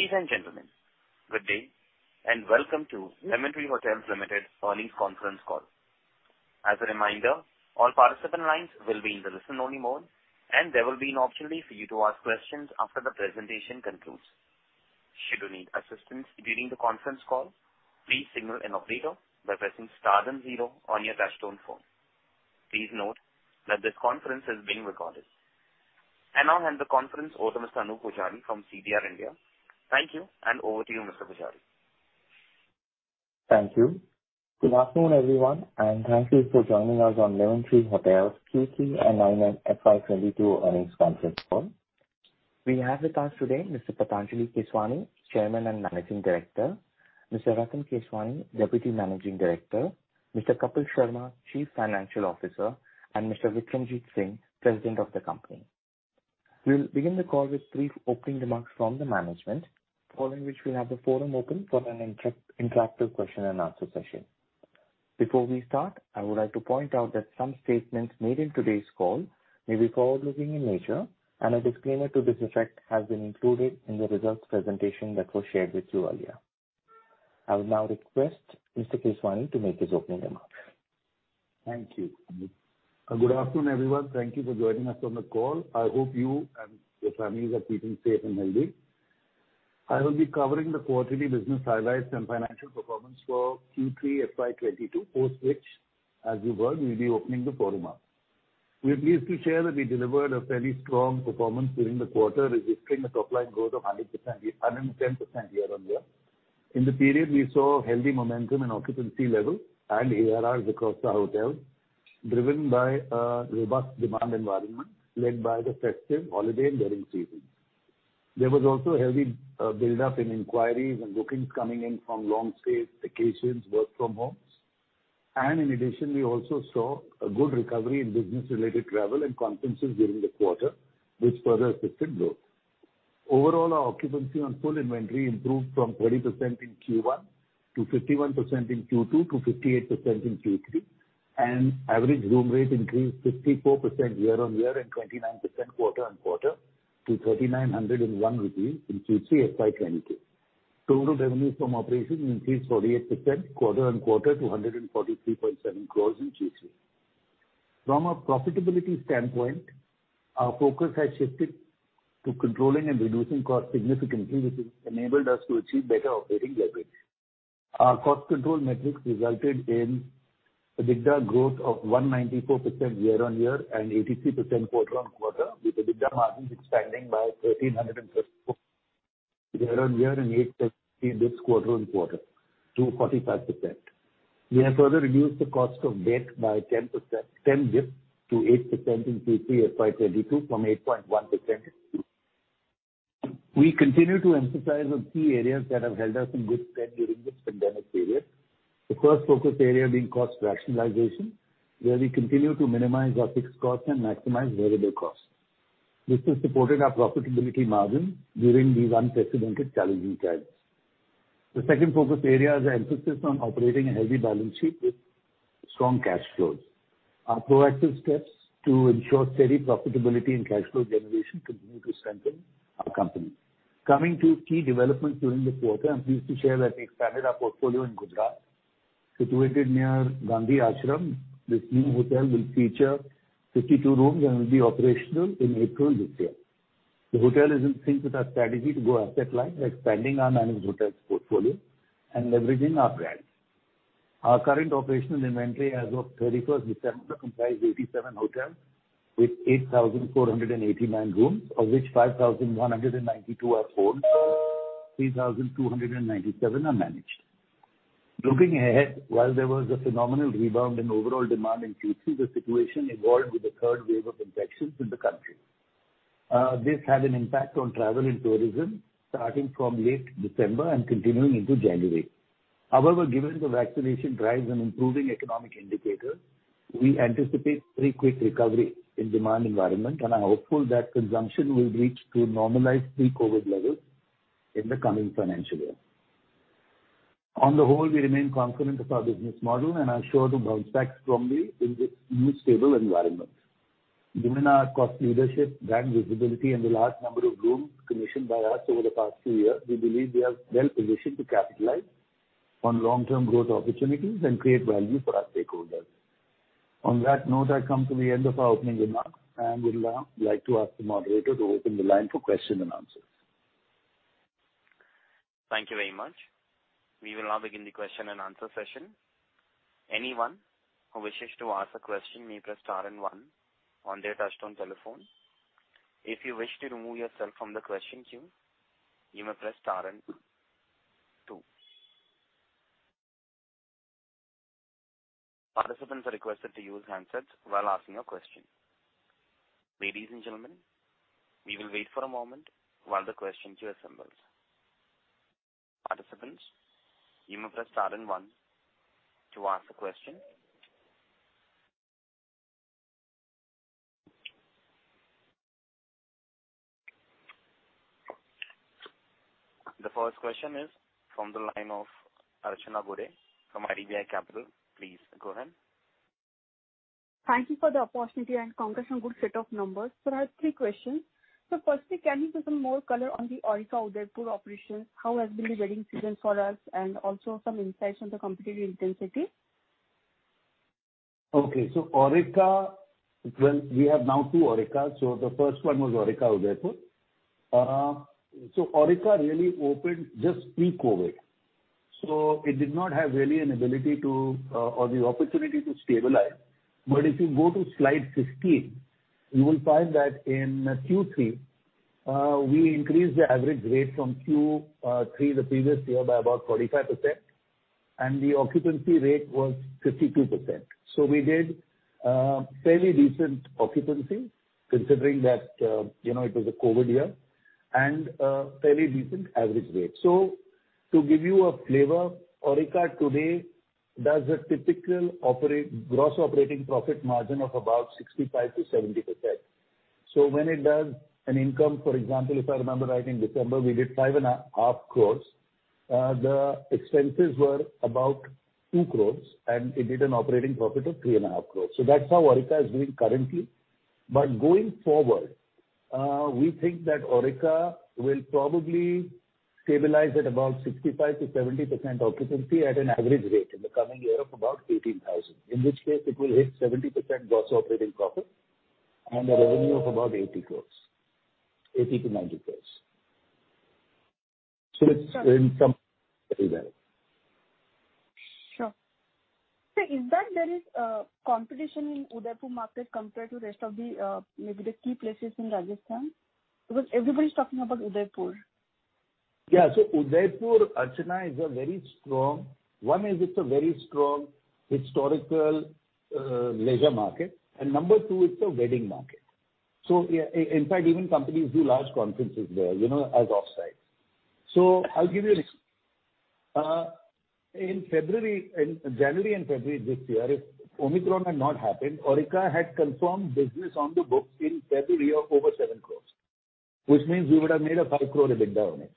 Ladies and gentlemen, good day, and welcome to Lemon Tree Hotels Limited earnings conference call. As a reminder, all participant lines will be in the listen-only mode, and there will be an opportunity for you to ask questions after the presentation concludes. Should you need assistance during the conference call, please signal an operator by pressing star then zero on your touchtone phone. Please note that this conference is being recorded. I now hand the conference over to Mr. Anuj Bujari from CDR India. Thank you, and over to you, Mr. Bujari. Thank you. Good afternoon, everyone, and thank you for joining us on Lemon Tree Hotels Q3 and nine-month FY 2022 earnings conference call. We have with us today Mr. Patanjali Keswani, Chairman and Managing Director, Mr. Rattan Keswani, Deputy Managing Director, Mr. Kapil Sharma, Chief Financial Officer, and Mr. Vikramjit Singh, President of the company. We'll begin the call with brief opening remarks from the management, following which we'll have the forum open for an interactive question and answer session. Before we start, I would like to point out that some statements made in today's call may be forward-looking in nature, and a disclaimer to this effect has been included in the results presentation that was shared with you earlier. I will now request Mr. Keswani to make his opening remarks. Thank you. A good afternoon, everyone. Thank you for joining us on the call. I hope you and your families are keeping safe and healthy. I will be covering the quarterly business highlights and financial performance for Q3 FY 2022, post which, as you've heard, we'll be opening the forum up. We're pleased to share that we delivered a fairly strong performance during the quarter, registering a top line growth of 110% year-on-year. In the period, we saw healthy momentum in occupancy levels and ARRs across our hotels, driven by a robust demand environment led by the festive, holiday, and wedding seasons. There was also a healthy buildup in inquiries and bookings coming in from long stays, vacations, work from homes. In addition, we also saw a good recovery in business-related travel and conferences during the quarter, which further assisted growth. Overall, our occupancy on full inventory improved from 30% in Q1 to 51% in Q2 to 58% in Q3. Average room rate increased 54% year-on-year and 29% quarter-on-quarter to INR 3,901 in Q3 FY 2022. Total revenues from operations increased 48% quarter-on-quarter to 143.7 crores in Q3. From a profitability standpoint, our focus has shifted to controlling and reducing costs significantly, which has enabled us to achieve better operating leverage. Our cost control metrics resulted in EBITDA growth of 194% year-on-year and 83% quarter-on-quarter, with EBITDA margins expanding by 1,354 year-on-year and 870 quarter-on-quarter to 45%. We have further reduced the cost of debt by 10 basis points to 8% in Q3 FY 2022 from 8.1% in Q2. We continue to emphasize on key areas that have held us in good stead during this pandemic period. The first focus area being cost rationalization, where we continue to minimize our fixed costs and maximize variable costs. This has supported our profitability margin during these unprecedented challenging times. The second focus area is our emphasis on operating a healthy balance sheet with strong cash flows. Our proactive steps to ensure steady profitability and cash flow generation continue to strengthen our company. Coming to key developments during the quarter, I'm pleased to share that we expanded our portfolio in Gujarat. Situated near Gandhi Ashram, this new hotel will feature 52 rooms and will be operational in April this year. The hotel is in sync with our strategy to grow asset light by expanding our managed hotels portfolio and leveraging our brand. Our current operational inventory as of 31 December comprised 87 hotels with 8,489 rooms, of which 5,192 are owned, 3,297 are managed. Looking ahead, while there was a phenomenal rebound in overall demand in Q3, the situation evolved with the third wave of infections in the country. This had an impact on travel and tourism starting from late December and continuing into January. However, given the vaccination drives and improving economic indicators, we anticipate pretty quick recovery in demand environment. We are hopeful that consumption will reach to normalized pre-COVID levels in the coming financial year. On the whole, we remain confident of our business model and are sure to bounce back strongly in this new stable environment. Given our cost leadership, brand visibility, and the large number of rooms commissioned by us over the past few years, we believe we are well-positioned to capitalize on long-term growth opportunities and create value for our stakeholders. On that note, I come to the end of our opening remarks and would now like to ask the moderator to open the line for question and answers. Thank you very much. We will now begin the question and answer session. Anyone who wishes to ask a question may press star and one on their touchtone telephone. If you wish to remove yourself from the question queue, you may press star and two. Participants are requested to use handsets while asking a question. Ladies and gentlemen, we will wait for a moment while the question queue assembles. Participants, you may press star and one to ask a question. The first question is from the line of Archana Gude from IDBI Capital. Please go ahead. Thank you for the opportunity and congrats on good set of numbers. I have three questions. Firstly, can you give some more color on the Aurika Udaipur operation? How has been the wedding season for us, and also some insights on the competitive intensity? Okay. Aurika, when we have now two Aurika. The first one was Aurika Udaipur. Aurika really opened just pre-COVID. It did not have really an ability to, or the opportunity to stabilize. If you go to slide 16, you will find that in Q3, we increased the average rate from Q3 the previous year by about 45%, and the occupancy rate was 52%. We did fairly decent occupancy considering that, you know, it was a COVID year and, fairly decent average rate. To give you a flavor, Aurika today does a typical gross operating profit margin of about 65%-70%. When it does an income, for example, if I remember right, in December we did 5.5 crores. The expenses were about 2 crore, and it did an operating profit of 3.5 crore. That's how Aurika is doing currently. Going forward, we think that Aurika will probably stabilize at about 65%-70% occupancy at an average rate in the coming year of about 18,000, in which case it will hit 70% gross operating profit and a revenue of about 80 crore, 80 crore-90 crore. It's in some very well. Sure. Is there competition in the Udaipur market compared to the rest of the, maybe the key places in Rajasthan? Because everybody's talking about Udaipur. Yeah. Udaipur, Archana, is a very strong. One, it's a very strong historical leisure market, and number two, it's a wedding market. Yeah, in fact, even companies do large conferences there, you know, as offsite. I'll give you this. In February, in January and February this year if Omicron had not happened, Aurika had confirmed business on the books in February of over 7 crore, which means we would have made a 5 crore EBITDA on it.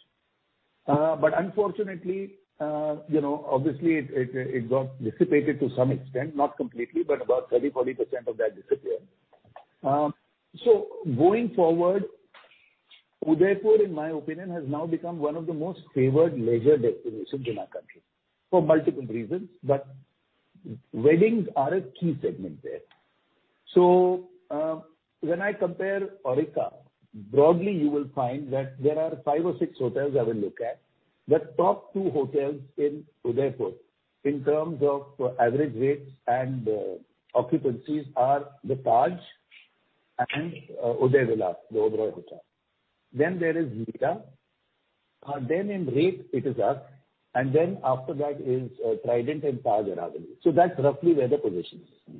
But unfortunately, you know, obviously it got dissipated to some extent, not completely, but about 30%-40% of that disappeared. Going forward, Udaipur, in my opinion, has now become one of the most favored leisure destinations in our country for multiple reasons. Weddings are a key segment there. When I compare Aurika, broadly you will find that there are five or six hotels I will look at. The top two hotels in Udaipur in terms of average rates and occupancies are the Taj and Udaivilas, the Oberoi Hotel. There is Marriott. In rate it is us, and then after that is Trident and Taj Aravali. That's roughly where the position is.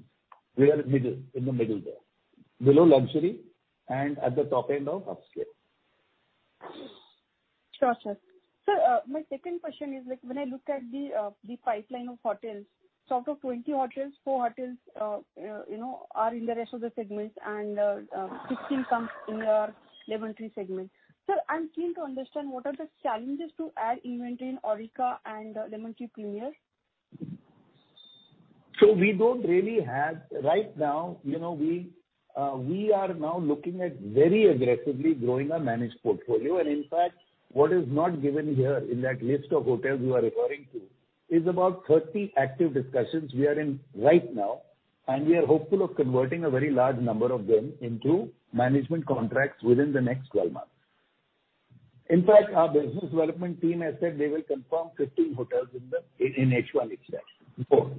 We are middle, in the middle there, below luxury and at the top end of upscale. Got you. Sir, my second question is like when I look at the pipeline of hotels, out of 20 hotels, four hotels, you know, are in the rest of the segments and 15 comes in your Lemon Tree segment. Sir, I'm keen to understand what are the challenges to add inventory in Aurika and Lemon Tree Premier? We don't really have. Right now, you know, we are now looking at very aggressively growing our managed portfolio. In fact, what is not given here in that list of hotels you are referring to is about 30 active discussions we are in right now, and we are hopeful of converting a very large number of them into management contracts within the next 12 months. In fact, our business development team has said they will confirm 15 hotels in the H1 itself. Of course.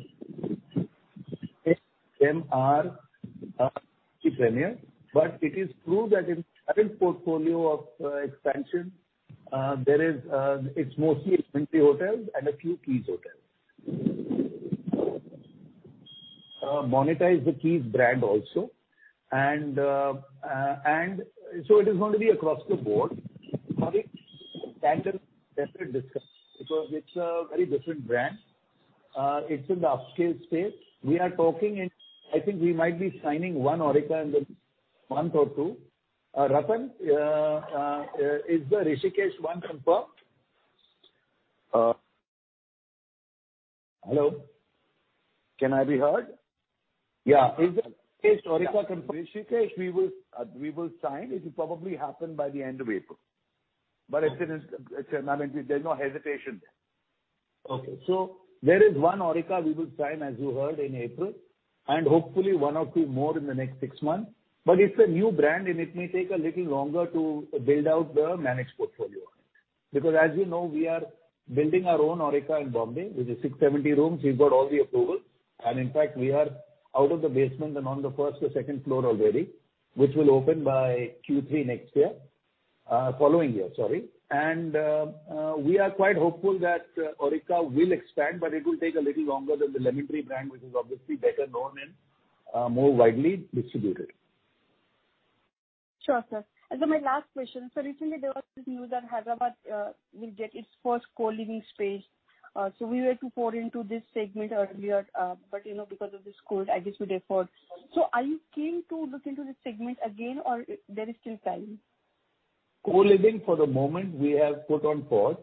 Eight of them are Lemon Tree Premier. It is true that in current portfolio of expansion, there is, it's mostly inventory hotels and a few Keys hotels. Monetize the Keys brand also and it is going to be across the board. Aurika, that is separate discussion because it's a very different brand. It's in the upscale space. We are talking and I think we might be signing one Aurika in the month or two. Rattan, is the Rishikesh one confirmed? Hello? Can I be heard? Yeah. Is Rishikesh Aurika confirmed? Rishikesh we will sign. It will probably happen by the end of April. It's an amenity. There's no hesitation there. Okay. There is one Aurika we will sign, as you heard, in April, and hopefully one or two more in the next six months. But it's a new brand, and it may take a little longer to build out the managed portfolio on it. Because as you know, we are building our own Aurika in Bombay, which is 670 rooms. We've got all the approvals and in fact we are out of the basement and on the first or second floor already, which will open by Q3 next year, following year. We are quite hopeful that Aurika will expand, but it will take a little longer than the Lemon Tree brand, which is obviously better known and more widely distributed. Sure, sir. My last question. Recently there was this news that Hyderabad will get its first co-living space. We were to foray into this segment earlier, but, you know, because of this COVID, I guess we deferred. Are you keen to look into this segment again, or there is still time? Co-living for the moment we have put on pause.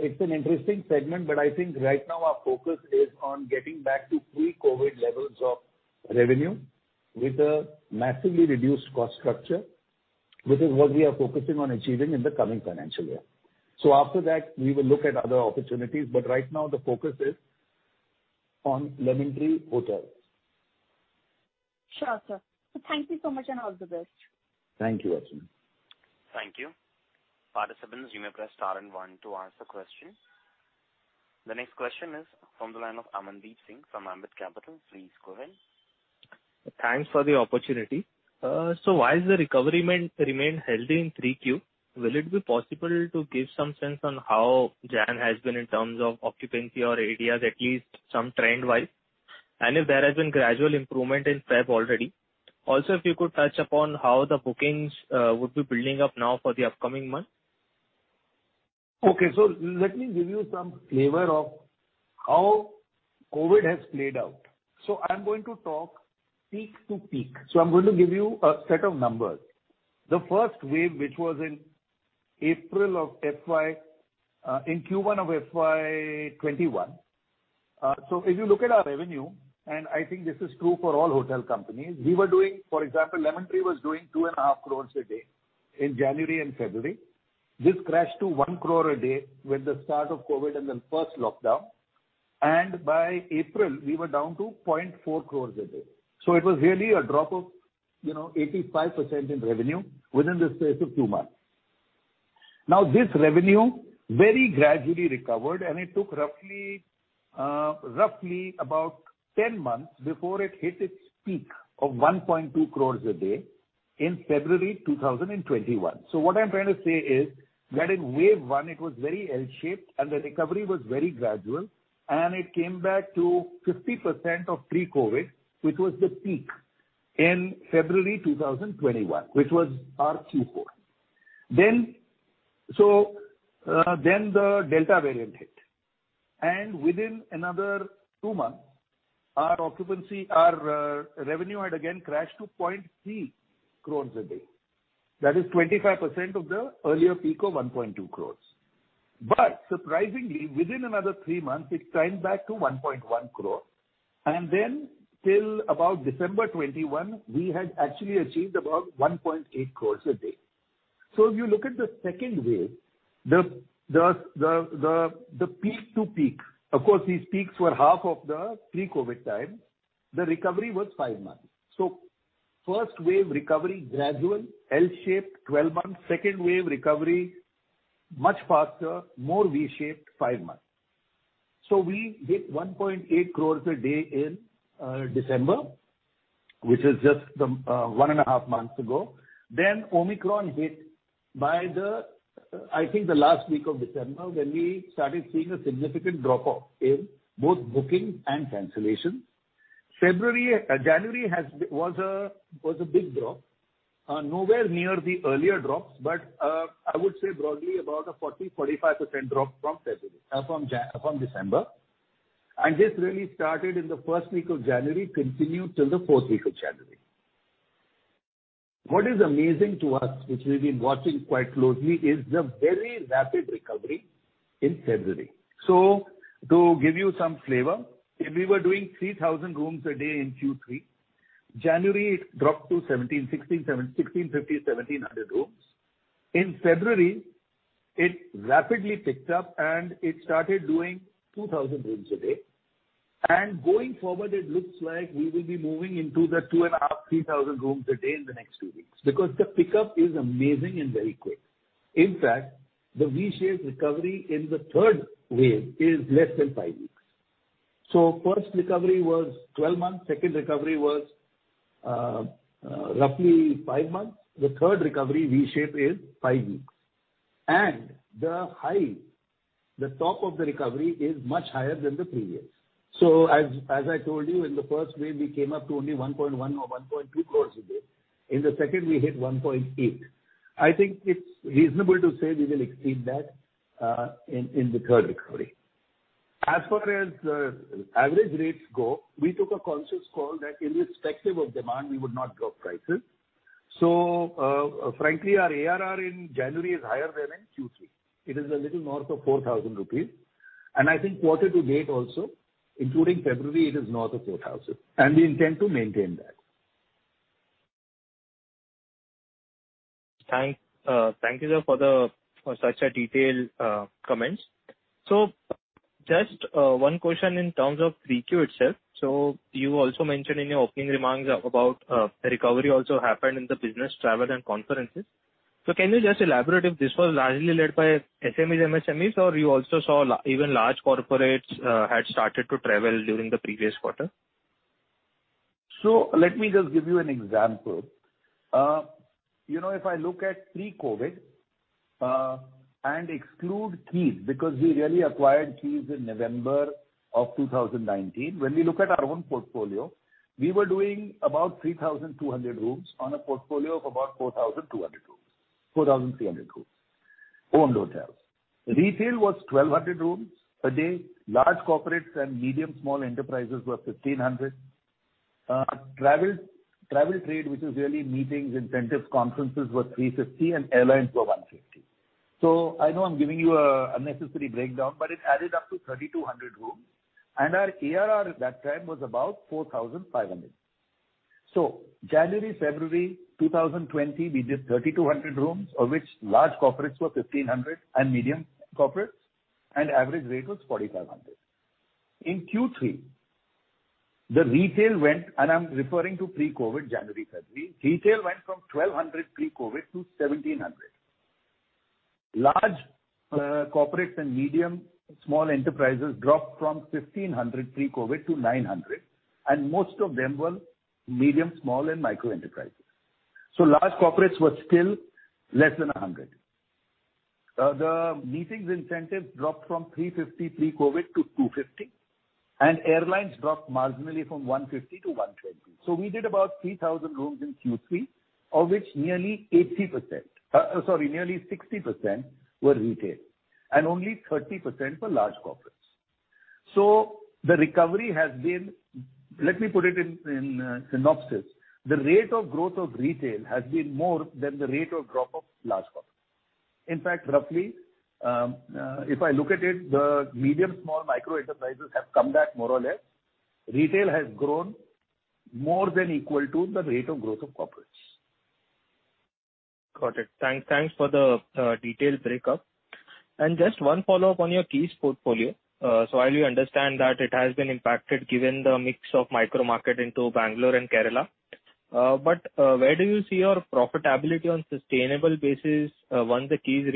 It's an interesting segment, but I think right now our focus is on getting back to pre-COVID levels of revenue with a massively reduced cost structure. This is what we are focusing on achieving in the coming financial year. After that, we will look at other opportunities, but right now the focus is on Lemon Tree Hotels. Sure, sir. Thank you so much, and all the best. Thank you, Archana. Thank you. Participants, you may press star and one to ask a question. The next question is from the line of Amandeep Singh from Ambit Capital. Please go ahead. Thanks for the opportunity. While the recovery remained healthy in Q3, will it be possible to give some sense on how January has been in terms of occupancy or ADRs, at least some trend-wise? If there has been gradual improvement in February already? Also, if you could touch upon how the bookings would be building up now for the upcoming month. Okay. Let me give you some flavor of how COVID has played out. I'm going to talk peak to peak. I'm going to give you a set of numbers. The first wave, which was in April of FY, in Q1 of FY 2021. If you look at our revenue, and I think this is true for all hotel companies, we were doing, for example, Lemon Tree was doing 2.5 crore a day in January and February. This crashed to 1 crore a day with the start of COVID and the first lockdown. By April we were down to 0.4 crore a day. It was really a drop of, you know, 85% in revenue within the space of two months. This revenue very gradually recovered, and it took roughly about 10 months before it hit its peak of 1.2 crore a day in February 2021. What I'm trying to say is that in wave one it was very L-shaped, and the recovery was very gradual, and it came back to 50% of pre-COVID, which was the peak in February 2021, which was our Q4. The Delta variant hit, and within another two months, our revenue had again crashed to 0.3 crore a day. That is 25% of the earlier peak of 1.2 crore. Surprisingly, within another three months it climbed back to 1.1 crore. Then till about December 2021, we had actually achieved about 1.8 crore a day. If you look at the second wave, the peak to peak, of course these peaks were half of the pre-COVID time, the recovery was five months. First wave recovery gradual, L-shaped, 12 months. Second wave recovery, much faster, more V-shaped, five months. We hit 1.8 crore a day in December, which is just one and half months ago. Then Omicron hit by the, I think, the last week of December, when we started seeing a significant drop-off in both bookings and cancellations. January was a big drop, nowhere near the earlier drops, but I would say broadly about a 40%-45% drop from December. This really started in the first week of January, continued till the fourth week of January. What is amazing to us, which we've been watching quite closely, is the very rapid recovery in February. To give you some flavor, if we were doing 3,000 rooms a day in Q3, January it dropped to 1,700, 1,600, 700, 1,650, 1,700 rooms. In February, it rapidly picked up and it started doing 2,000 rooms a day. Going forward, it looks like we will be moving into the 2,500-3,000 rooms a day in the next two weeks, because the pickup is amazing and very quick. In fact, the V-shaped recovery in the third wave is less than five weeks. First recovery was 12 months, second recovery was roughly five months. The third recovery V-shape is five weeks. The high, the top of the recovery is much higher than the previous. I told you, in the first wave, we came up to only 1.1 or 1.2 crore a day. In the second, we hit 1.8. I think it's reasonable to say we will exceed that in the third recovery. As far as average rates go, we took a conscious call that irrespective of demand, we would not drop prices. Frankly, our ARR in January is higher than in Q3. It is a little north of 4,000 rupees. I think quarter to date also, including February, it is north of 4,000, and we intend to maintain that. Thank you, sir, for such a detailed comments. Just one question in terms of Q3 itself. You also mentioned in your opening remarks about the recovery also happened in the business travel and conferences. Can you just elaborate if this was largely led by SMEs, MSMEs, or you also saw even large corporates had started to travel during the previous quarter? Let me just give you an example. You know, if I look at pre-COVID and exclude Keys because we really acquired Keys in November of 2019. When we look at our own portfolio, we were doing about 3,200 rooms on a portfolio of about 4,200 rooms, 4,300 rooms owned hotels. Retail was 1,200 rooms a day. Large corporates and medium and small enterprises were 1,500. Travel trade, which is really meetings, incentives, conferences, were 350, and airlines were 150. I know I'm giving you an unnecessary breakdown, but it added up to 3,200 rooms. Our ARR at that time was about 4,500. January, February 2020, we did 3,200 rooms, of which large corporates were 1,500 and medium corporates, and average rate was 4,500. In Q3, the retail went and I'm referring to pre-COVID January, February. Retail went from 1,200 pre-COVID to 1,700. Large corporates and medium small enterprises dropped from 1,500 pre-COVID to 900, and most of them were medium, small and micro enterprises. Large corporates were still less than 100. The meetings incentives dropped from 350 pre-COVID to 250. Airlines dropped marginally from 150 to 120. We did about 3,000 rooms in Q3, of which nearly 80%, nearly 60% were retail and only 30% were large corporates. The recovery has been. Let me put it in a synopsis. The rate of growth of retail has been more than the rate of drop of large corporates. In fact, roughly, if I look at it, the micro, small and medium enterprises have come back more or less. Retail has grown more than equal to the rate of growth of corporates. Got it. Thanks for the detailed breakdown. Just one follow-up on your Keys portfolio. While you understand that it has been impacted given the mix of micromarket in Bangalore and Kerala, but where do you see your profitability on a sustainable basis once the Keys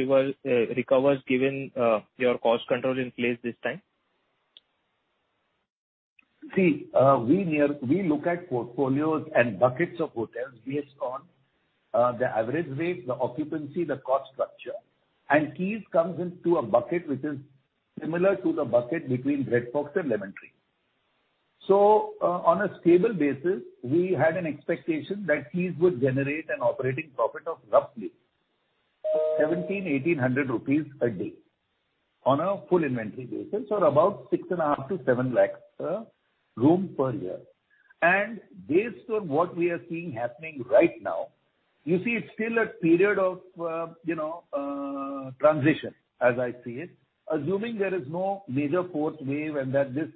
recovers given your cost control in place this time? See, we look at portfolios and buckets of hotels based on the average rate, the occupancy, the cost structure. Keys comes into a bucket which is similar to the bucket between Red Fox and Lemon Tree. On a stable basis, we had an expectation that Keys would generate an operating profit of roughly 1,700-1,800 rupees a day on a full inventory basis, or about 6.5-7 lakhs per room per year. Based on what we are seeing happening right now, you see it's still a period of, you know, transition, as I see it. Assuming there is no major fourth wave and that this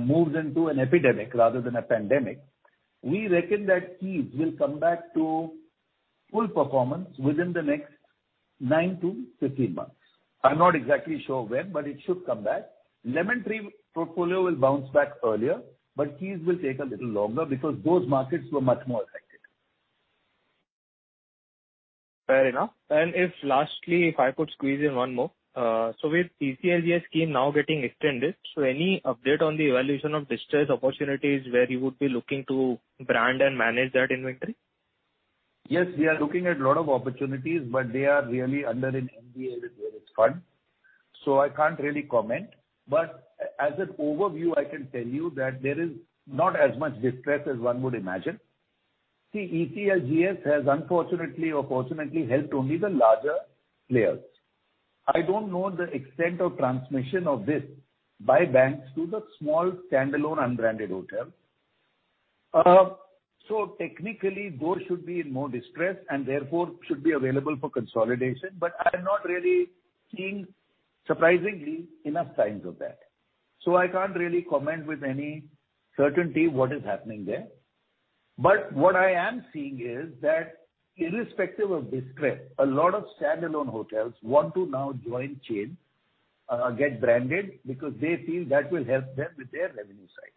moves into an epidemic rather than a pandemic, we reckon that Keys will come back to full performance within the next nine-15 months. I'm not exactly sure when, but it should come back. Lemon Tree portfolio will bounce back earlier, but Keys will take a little longer because those markets were much more affected. Fair enough. If lastly, if I could squeeze in one more. With ECLGS scheme now getting extended, so any update on the evaluation of distressed opportunities where you would be looking to brand and manage that inventory? Yes, we are looking at a lot of opportunities, but they are really under an NDA with various funds, so I can't really comment. As an overview, I can tell you that there is not as much distress as one would imagine. See, ECLGS has unfortunately or fortunately helped only the larger players. I don't know the extent of transmission of this by banks to the small standalone unbranded hotels. Technically, those should be in more distress and therefore should be available for consolidation. I'm not really seeing, surprisingly, enough signs of that. I can't really comment with any certainty what is happening there. What I am seeing is that irrespective of distress, a lot of standalone hotels want to now join chain, get branded because they feel that will help them with their revenue side.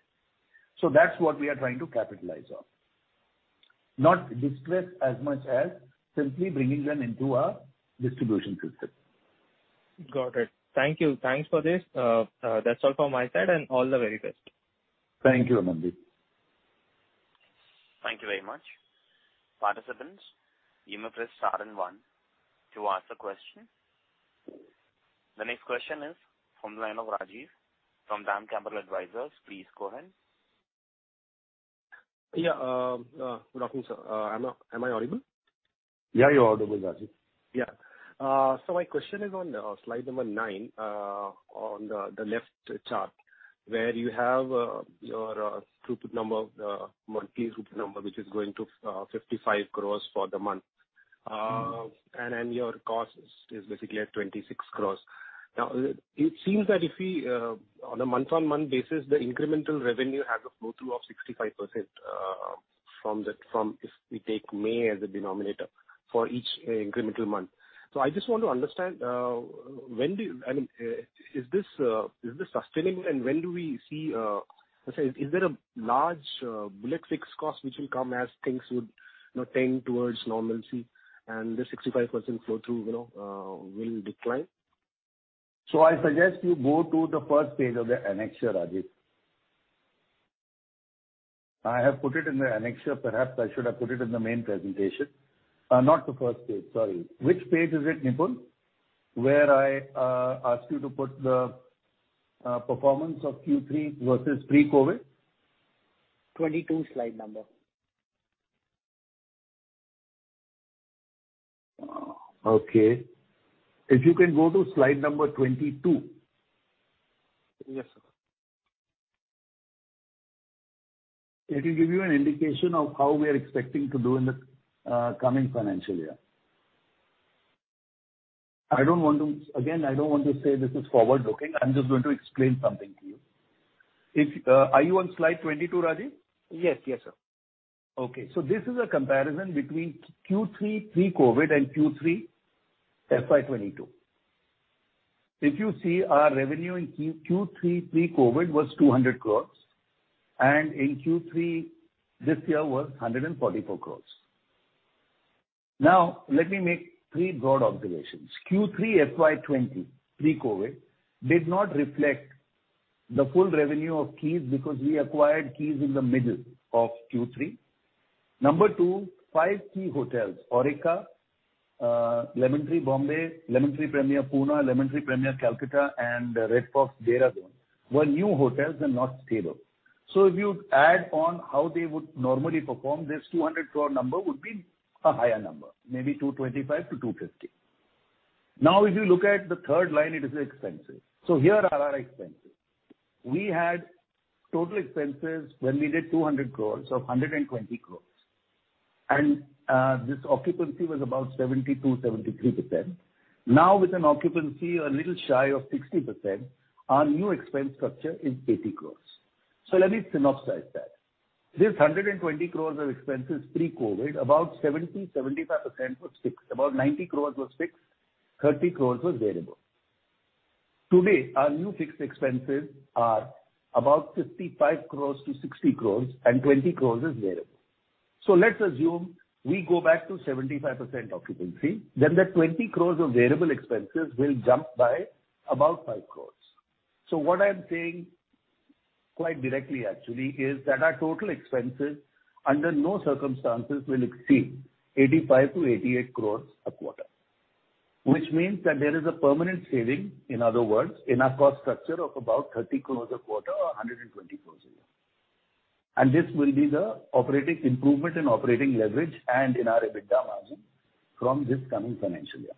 That's what we are trying to capitalize on. Not distress as much as simply bringing them into our distribution system. Got it. Thank you. Thanks for this. That's all from my side, and all the very best. Thank you, Amandeep. Thank you very much. Participants, you may press star and one to ask a question. The next question is from the line of Rajiv from DAM Capital Advisors. Please go ahead. Yeah. Good afternoon, sir. Am I audible? Yeah, you're audible, Rajiv. Yeah. My question is on slide number nine, on the left chart, where you have your throughput number, monthly throughput number, which is going to 55 crore for the month. And your cost is basically at 26 crore. Now, it seems that if we on a month-on-month basis, the incremental revenue has a flow through of 65%, from if we take May as a denominator for each incremental month. I just want to understand, I mean, is this sustainable? And when do we see, let's say is there a large bullet fixed cost which will come as things would, you know, tend towards normalcy and the 65% flow through, you know, will decline? I suggest you go to the first page of the annexure, Rajiv. I have put it in the annexure. Perhaps I should have put it in the main presentation. Not the first page, sorry. Which page is it, Nipun? Where I asked you to put the performance of Q3 versus pre-COVID? 22 slide number. Okay. If you can go to slide number 22. Yes, sir. It will give you an indication of how we are expecting to do in the coming financial year. Again, I don't want to say this is forward-looking. I'm just going to explain something to you. If you are on slide 22, Rajiv? Yes. Yes, sir. Okay. This is a comparison between Q3 pre-COVID and Q3 FY 2022. If you see our revenue in Q3 pre-COVID was 200 crore and in Q3 this year was 144 crore. Now, let me make three broad observations. Q3 FY 2020 pre-COVID did not reflect the full revenue of Keys because we acquired Keys in the middle of Q3. Number two, five key hotels, Aurika, Lemon Tree Mumbai, Lemon Tree Premier Pune, Lemon Tree Premier Kolkata, and Red Fox Dehradun were new hotels and not stable. If you add on how they would normally perform, this 200 crore number would be a higher number, maybe 225 crore-250 crore. Now, if you look at the third line, it is the expenses. Here are our expenses. We had total expenses when we did 200 crore of 120 crore. This occupancy was about 70%-73%. Now, with an occupancy a little shy of 60%, our new expense structure is 80 crore. Let me synopsize that. This 120 crore of expenses pre-COVID, about 70%-75% was fixed. About 90 crore was fixed, 30 crore was variable. Today, our new fixed expenses are about 55 crore-60 crore and 20 crore is variable. Let's assume we go back to 75% occupancy. The 20 crore of variable expenses will jump by about 5 crore. What I'm saying quite directly actually is that our total expenses under no circumstances will exceed 85 crore-88 crore a quarter. Which means that there is a permanent saving, in other words, in our cost structure of about 30 crore a quarter or 120 crore a year. This will be the operating improvement in operating leverage and in our EBITDA margin from this coming financial year.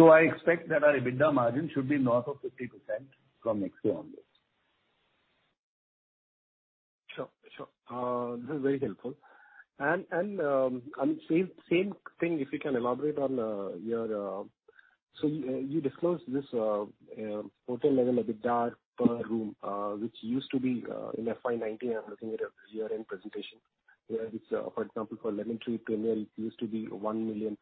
I expect that our EBITDA margin should be north of 50% from next year onwards. Sure. This is very helpful. Same thing, if you can elaborate on your. You disclosed this hotel level EBITDA per room, which used to be in FY 2019. I'm looking at a year-end presentation. Where it's, for example, for Lemon Tree Premier it used to be 1 million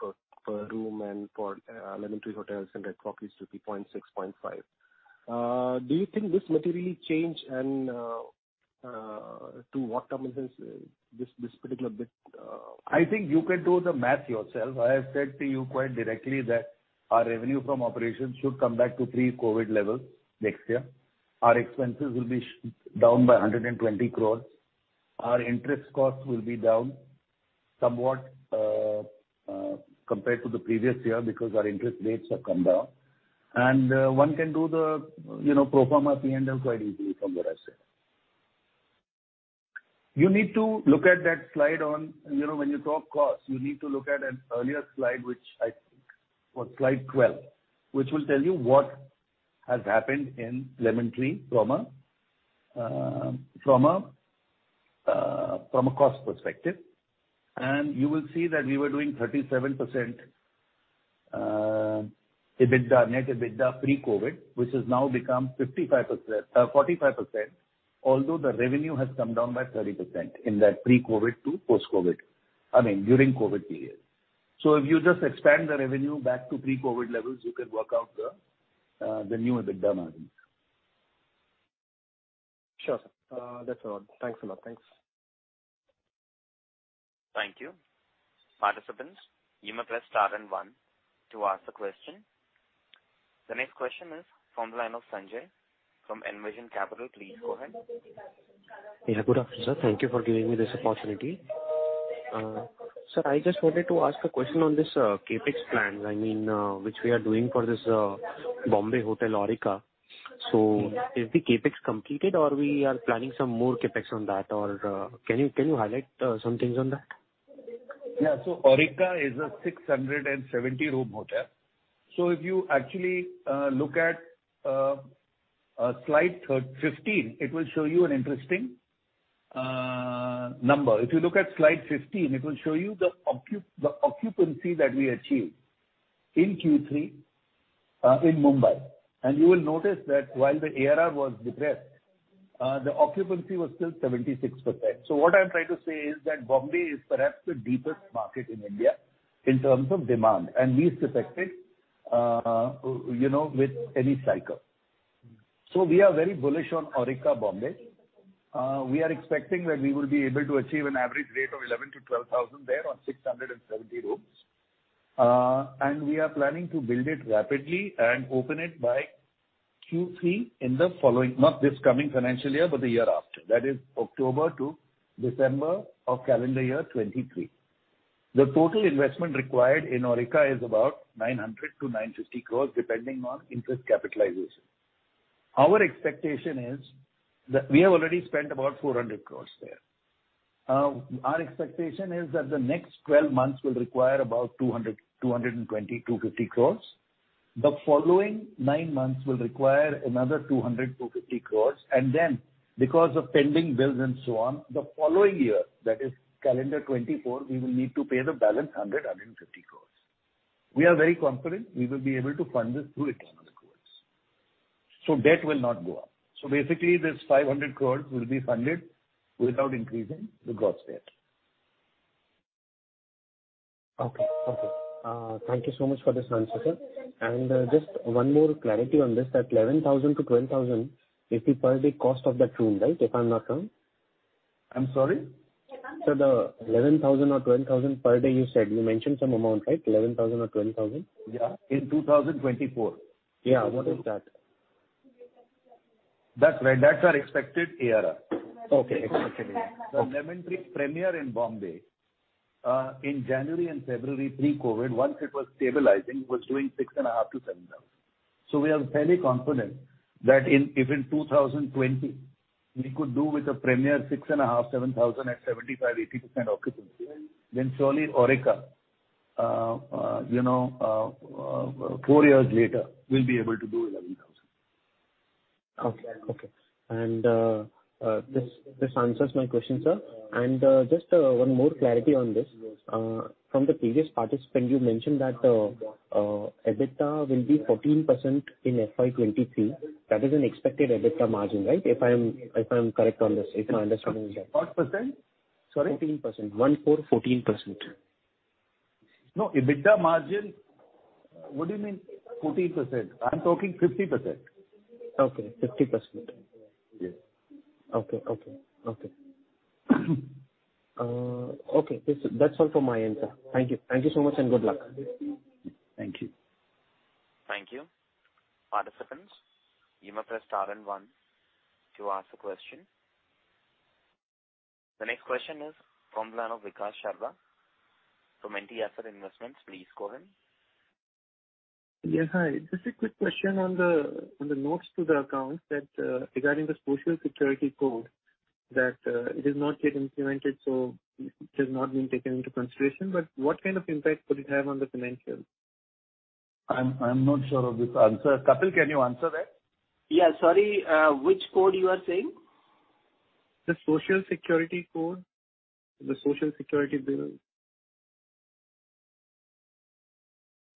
per room and for Lemon Tree Hotels and Red Fox used to be 0.6, 0.5. Do you think this materially change and to what terms is this particular bit. I think you can do the math yourself. I have said to you quite directly that our revenue from operations should come back to pre-COVID levels next year. Our expenses will be down by 120 crore. Our interest costs will be down somewhat compared to the previous year because our interest rates have come down. One can do the pro forma P&L quite easily from what I said. You need to look at that slide on, you know, when you talk costs, you need to look at an earlier slide, which I think was slide 12, which will tell you what has happened in Lemon Tree from a cost perspective. You will see that we were doing 37% EBITDA, net EBITDA pre-COVID, which has now become 55%, 45% although the revenue has come down by 30% in that pre-COVID to post-COVID. I mean, during COVID period. If you just expand the revenue back to pre-COVID levels, you can work out the new EBITDA margin. Sure, sir. That's all. Thanks a lot. Thanks. Thank you. Participants, you may press star and one to ask a question. The next question is from the line of Sanjay from Envision Capital. Please go ahead. Yeah. Good afternoon, sir. Thank you for giving me this opportunity. Sir, I just wanted to ask a question on this CapEx plans. I mean, which we are doing for this Bombay hotel Aurika. Is the CapEx completed or we are planning some more CapEx on that? Can you highlight some things on that? Yeah. Aurika is a 670-room hotel. If you actually look at slide 15, it will show you an interesting number. If you look at slide 15, it will show you the occupancy that we achieved in Q3 in Mumbai. You will notice that while the ARR was depressed, the occupancy was still 76%. What I'm trying to say is that Mumbai is perhaps the deepest market in India in terms of demand, and we suspect it you know with any cycle. We are very bullish on Aurika Mumbai. We are expecting that we will be able to achieve an average rate of 11,000-12,000 there on 670 rooms. We are planning to build it rapidly and open it by Q3 in the following, not this coming financial year, but the year after. That is October to December of calendar year 2023. The total investment required in Aurika is about 900-950 crore, depending on interest capitalization. Our expectation is that we have already spent about 400 crore there. Our expectation is that the next twelve months will require about 200-250 crore. The following nine months will require another 200-250 crore. Because of pending bills and so on, the following year, that is calendar 2024, we will need to pay the balance 100-150 crore. We are very confident we will be able to fund this through internal accruals. Debt will not go up. Basically this 500 crore will be funded without increasing the gross debt. Okay, thank you so much for this answer, sir. Just one more clarity on this. That 11,000-12,000 is the per day cost of that room, right? If I'm not wrong. I'm sorry. Sir, the 11,000 or 12,000 per day you said. You mentioned some amount, right? 11,000 or 12,000. Yeah. In 2024. Yeah. What is that? That's our expected ARR. Okay. Expected ARR. The Lemon Tree Premier in Mumbai, in January and February pre-COVID, once it was stabilizing, was doing 6,500-7,000. We are fairly confident that if in 2020 we could do with a Premier 6,500-7,000 at 75%-80% occupancy, then surely Aurika, you know, four years later will be able to do INR 11,000. Okay. This answers my question, sir. Just one more clarity on this. From the previous participant, you mentioned that EBITDA will be 14% in FY 2023. That is an expected EBITDA margin, right? If I'm correct on this, if my understanding is right. 14%? Sorry? 14%. One-four, 14%. No, EBITDA margin. What do you mean 14%? I'm talking 50%. Okay. 50%. Yes. Okay. That's all from my end, sir. Thank you so much and good luck. Thank you. Thank you. Participants, you may press star and one to ask a question. The next question is from the line of Vikas Sharma from NT Asset Management. Please go ahead. Yeah, hi. Just a quick question on the notes to the accounts that, regarding the Social Security Code that it is not yet implemented, so it has not been taken into consideration. What kind of impact could it have on the financial? I'm not sure of this answer. Kapil, can you answer that? Yeah. Sorry, which code you are saying? The Social Security Code. The Social Security Bill.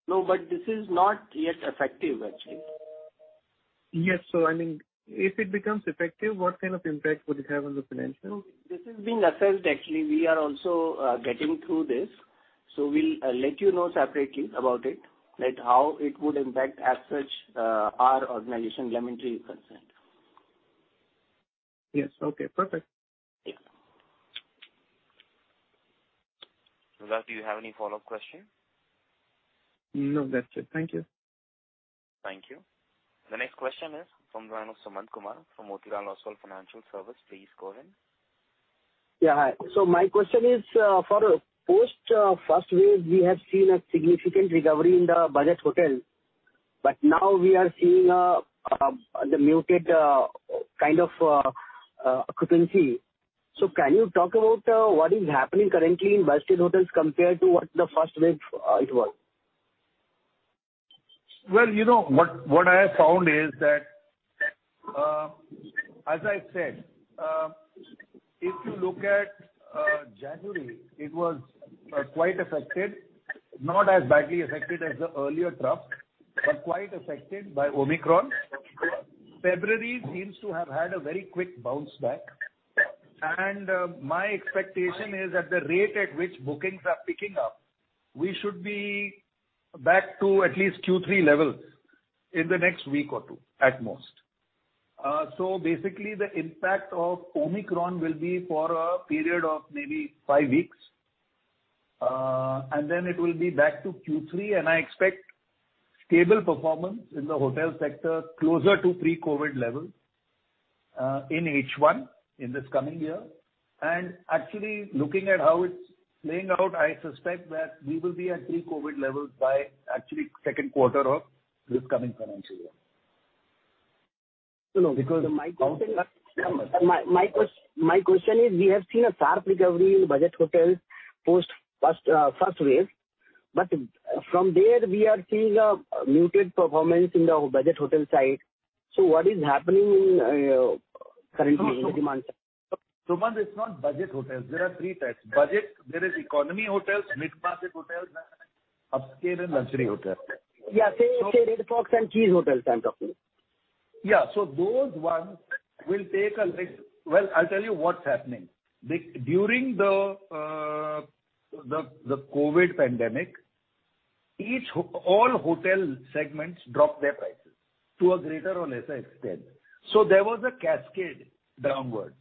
No, but this is not yet effective, actually. Yes. I mean, if it becomes effective, what kind of impact would it have on the financial? No, this is being assessed actually. We are also getting through this. We'll let you know separately about it, like how it would impact as far as our organization, Lemon Tree, is concerned. Yes. Okay, perfect. Yeah. Vikas, do you have any follow-up question? No, that's it. Thank you. Thank you. The next question is from the line of Sumant Kumar from Motilal Oswal Financial Services. Please go ahead. Yeah, hi. My question is, for post first wave we have seen a significant recovery in the budget hotel, but now we are seeing the muted kind of occupancy. Can you talk about what is happening currently in budget hotels compared to what the first wave it was? Well, you know what I have found is that, as I said, if you look at January, it was quite affected. Not as badly affected as the earlier trough, but quite affected by Omicron. February seems to have had a very quick bounce back. My expectation is at the rate at which bookings are picking up, we should be back to at least Q3 levels in the next week or two at most. Basically the impact of Omicron will be for a period of maybe five weeks, and then it will be back to Q3. I expect stable performance in the hotel sector closer to pre-COVID levels in H1 in this coming year. Actually looking at how it's playing out, I suspect that we will be at pre-COVID levels by actually second quarter of this coming financial year. No, no. Because my question is we have seen a sharp recovery in budget hotels post first wave. From there we are seeing a muted performance in the budget hotel side. What is happening currently in the demand side? Sumant, it's not budget hotels. There are three types. Budget, there is economy hotels, mid-market hotels, upscale and luxury hotels. Yeah. Say Red Fox and Keys Hotels I'm talking. Yeah. Those ones will take a little. Well, I'll tell you what's happening. During the COVID pandemic, all hotel segments dropped their prices to a greater or lesser extent. There was a cascade downwards.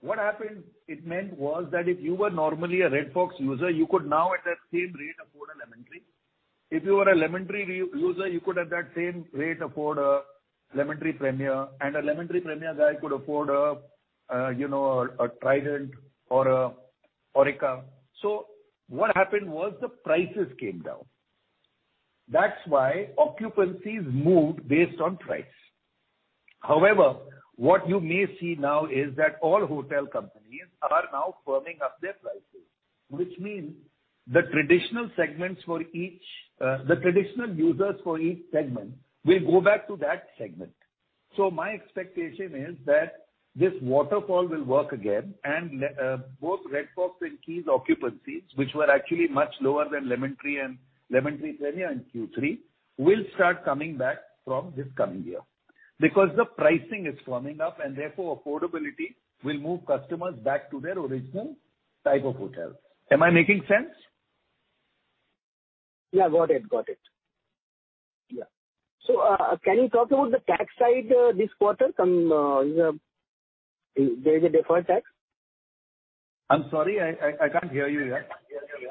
What happened it meant was that if you were normally a Red Fox user, you could now at that same rate afford. If you are a Lemon Tree user, you could at that same rate afford a Lemon Tree Premier and a Lemon Tree Premier guy could afford a, you know, a Trident or a Aurika. What happened was the prices came down. That's why occupancies moved based on price. However, what you may see now is that all hotel companies are now firming up their prices, which means the traditional segments for each, the traditional users for each segment will go back to that segment. My expectation is that this waterfall will work again. Both Red Fox and Keys occupancies, which were actually much lower than Lemon Tree and Lemon Tree Premier in Q3, will start coming back from this coming year because the pricing is firming up and therefore affordability will move customers back to their original type of hotel. Am I making sense? Yeah. Got it. Yeah. Can you talk about the tax side this quarter? There is a deferred tax. I'm sorry, I can't hear you here.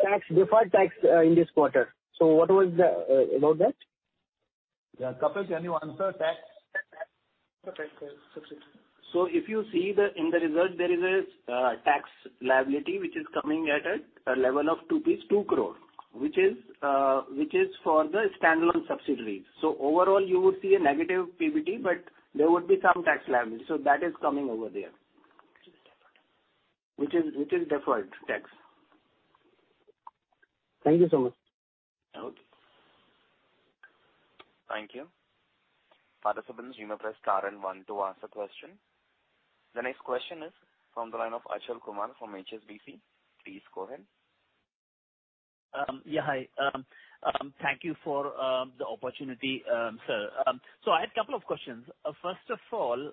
Tax, deferred tax in this quarter. What was that about? Yeah. Kapil, can you answer tax? Okay, sir. If you see the results there is a tax liability which is coming at a level of rupees 2 crore, which is for the standalone subsidiaries. Overall you would see a negative PBT but there would be some tax liability. That is coming over there. Which is deferred tax. Thank you so much. Okay. Thank you. Participants, you may press star and one to ask a question. The next question is from the line of Achal Kumar from HSBC. Please go ahead. Yeah. Hi. Thank you for the opportunity, sir. I had a couple of questions. First of all,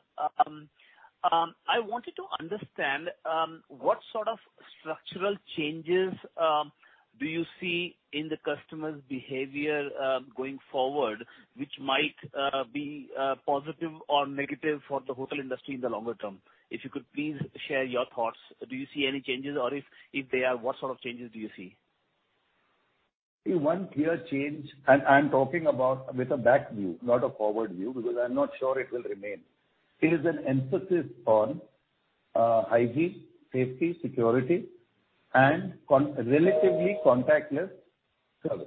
I wanted to understand what sort of structural changes do you see in the customer's behavior going forward, which might be positive or negative for the hotel industry in the longer term? If you could please share your thoughts. Do you see any changes or if there are, what sort of changes do you see? The one clear change, and I'm talking about with a back view, not a forward view, because I'm not sure it will remain, is an emphasis on hygiene, safety, security and relatively contactless service.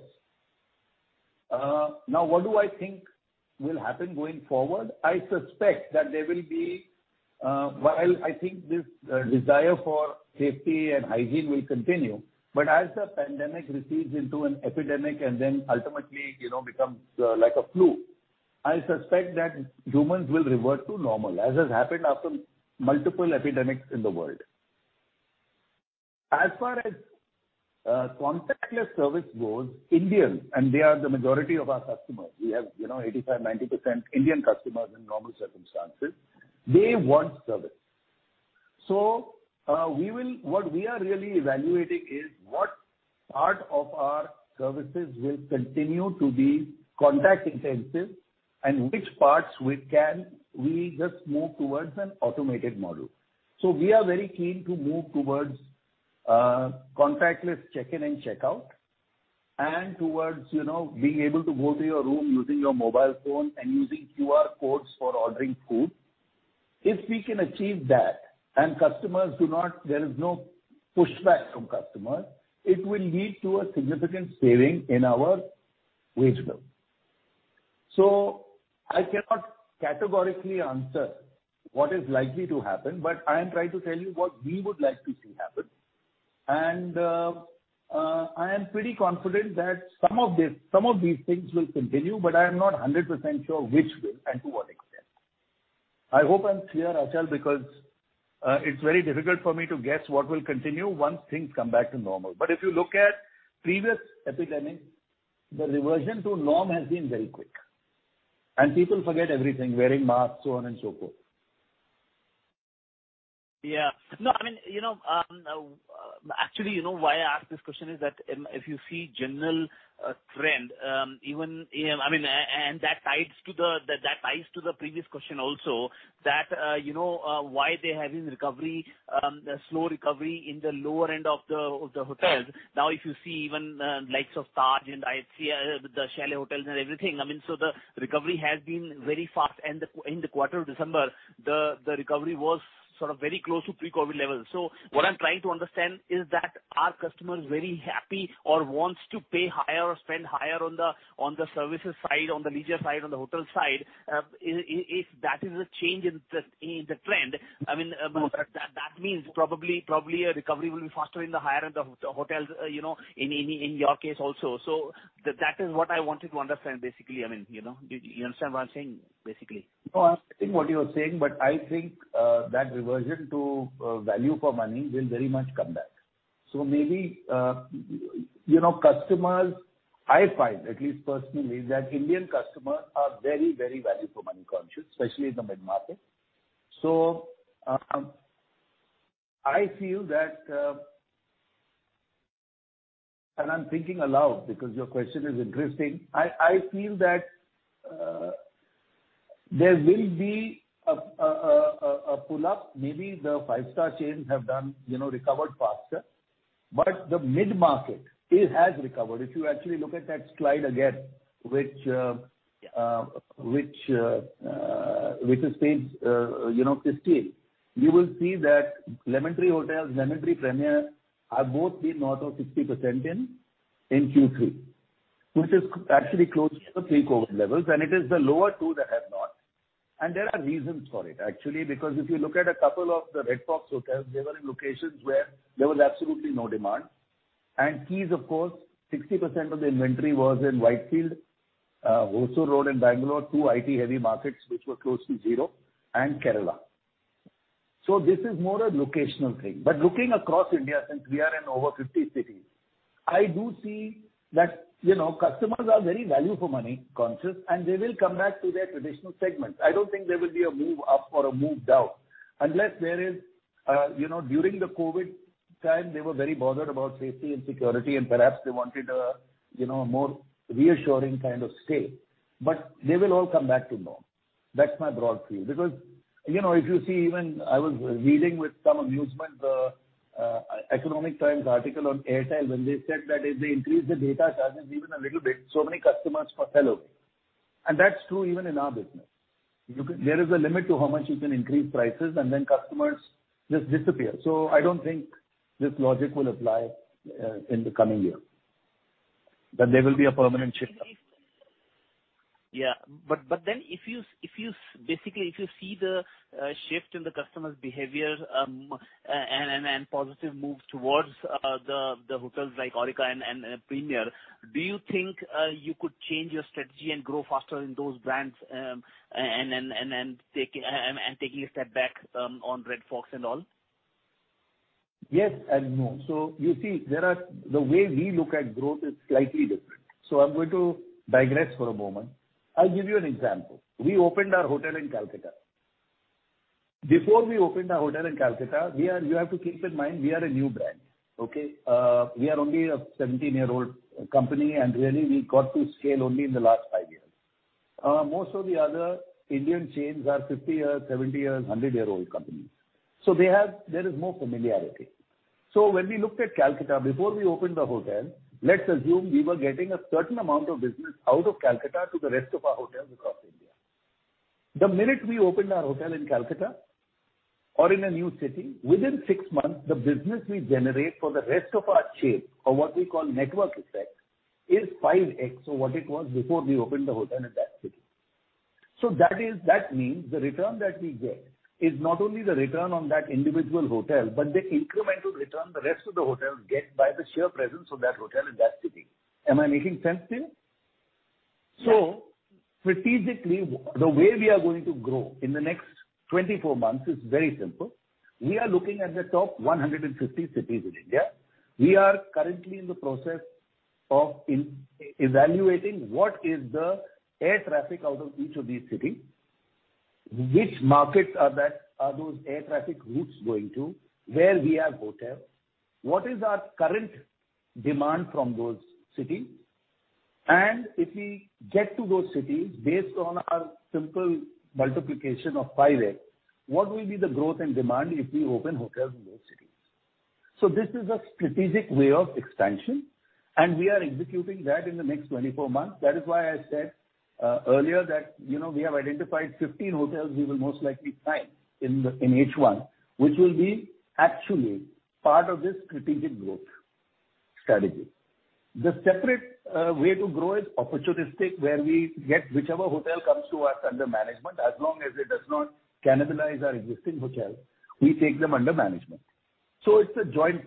Now, what do I think will happen going forward? I suspect that there will be, while I think this desire for safety and hygiene will continue, but as the pandemic recedes into an epidemic and then ultimately, you know, becomes like a flu, I suspect that humans will revert to normal, as has happened after multiple epidemics in the world. As far as contactless service goes, Indians, and they are the majority of our customers, we have, you know, 85%-90% Indian customers in normal circumstances. They want service. What we are really evaluating is what part of our services will continue to be contact intensive and which parts we can really just move towards an automated model. We are very keen to move towards contactless check-in and check-out and towards, you know, being able to go to your room using your mobile phone and using QR codes for ordering food. If we can achieve that and there is no pushback from customers, it will lead to a significant saving in our wage bill. I cannot categorically answer what is likely to happen, but I am trying to tell you what we would like to see happen. I am pretty confident that some of these things will continue, but I am not 100% sure which will and to what extent. I hope I'm clear, Achal, because it's very difficult for me to guess what will continue once things come back to normal. If you look at previous epidemics, the reversion to norm has been very quick and people forget everything, wearing masks, so on and so forth. Yeah. No, I mean, you know, actually, you know why I ask this question is that if you see general trend, even, I mean, that ties to the previous question also that, you know, why they're having recovery, slow recovery in the lower end of the hotels. Now, if you see even likes of Taj and ITC, the Chalet Hotels and everything, I mean, the recovery has been very fast. In the quarter of December, the recovery was sort of very close to pre-COVID levels. What I'm trying to understand is that are customers very happy or wants to pay higher or spend higher on the services side, on the leisure side, on the hotel side? If that is a change in the trend, I mean, that means probably a recovery will be faster in the higher end of hotels, you know, in your case also. That is what I wanted to understand basically. I mean, you know? Do you understand what I'm saying basically? No, I understand what you are saying, but I think that reversion to value for money will very much come back. Maybe, you know, customers, I find at least personally, that Indian customers are very, very value for money conscious, especially in the mid-market. I feel that I'm thinking aloud because your question is interesting. I feel that there will be a pull-up, maybe the five-star chains have done, you know, recovered faster, but the mid-market it has recovered. If you actually look at that slide again, which is page 15, you will see that Lemon Tree Hotels, Lemon Tree Premier have both been north of 60% in Q3, which is actually close to the pre-COVID levels, and it is the lower two that have not. There are reasons for it, actually, because if you look at a couple of the Red Fox hotels, they were in locations where there was absolutely no demand. Keys, of course, 60% of the inventory was in Whitefield, Hosur Road in Bangalore, two IT-heavy markets which were close to zero, and Kerala. This is more a locational thing. Looking across India, since we are in over 50 cities, I do see that, you know, customers are very value for money conscious, and they will come back to their traditional segments. I don't think there will be a move up or a move down unless there is, you know, during the COVID time, they were very bothered about safety and security and perhaps they wanted a, you know, more reassuring kind of stay. They will all come back to norm. That's my broad view. You know, if you see even I was reading with some amusement the The Economic Times article on Airtel when they said that if they increase the data charges even a little bit, so many customers will fall off. That's true even in our business. There is a limit to how much you can increase prices and then customers just disappear. I don't think this logic will apply in the coming year, that there will be a permanent shift. Yeah. If you see the shift in the customer's behavior and positive move towards the hotels like Aurika and Premier, do you think you could change your strategy and grow faster in those brands and then taking a step back on Red Fox and all? Yes and no. You see the way we look at growth is slightly different. I'm going to digress for a moment. I'll give you an example. We opened our hotel in Kolkata. Before we opened our hotel in Kolkata, you have to keep in mind we are a new brand, okay? We are only a 17-year-old company, and really we got to scale only in the last five years. Most of the other Indian chains are 50-year, 70-year, 100-year-old companies. They have, there is more familiarity. When we looked at Kolkata before we opened the hotel, let's assume we were getting a certain amount of business out of Kolkata to the rest of our hotels across India. The minute we opened our hotel in Kolkata or in a new city, within six months, the business we generate for the rest of our chain, or what we call network effect, is 5x to what it was before we opened the hotel in that city. That is, that means the return that we get is not only the return on that individual hotel, but the incremental return the rest of the hotel get by the sheer presence of that hotel in that city. Am I making sense to you? Yeah. Strategically, the way we are going to grow in the next 24 months is very simple. We are looking at the top 150 cities in India. We are currently in the process of evaluating what is the air traffic out of each of these cities, which markets are there, are those air traffic routes going to, where we have hotels, what is our current demand from those cities? If we get to those cities based on our simple multiplication of 5x, what will be the growth and demand if we open hotels in those cities? This is a strategic way of expansion, and we are executing that in the next 24 months. That is why I said earlier that, you know, we have identified 15 hotels we will most likely sign in H1, which will be actually part of this strategic growth strategy. The separate way to grow is opportunistic, where we get whichever hotel comes to us under management. As long as it does not cannibalize our existing hotels, we take them under management. It's a joint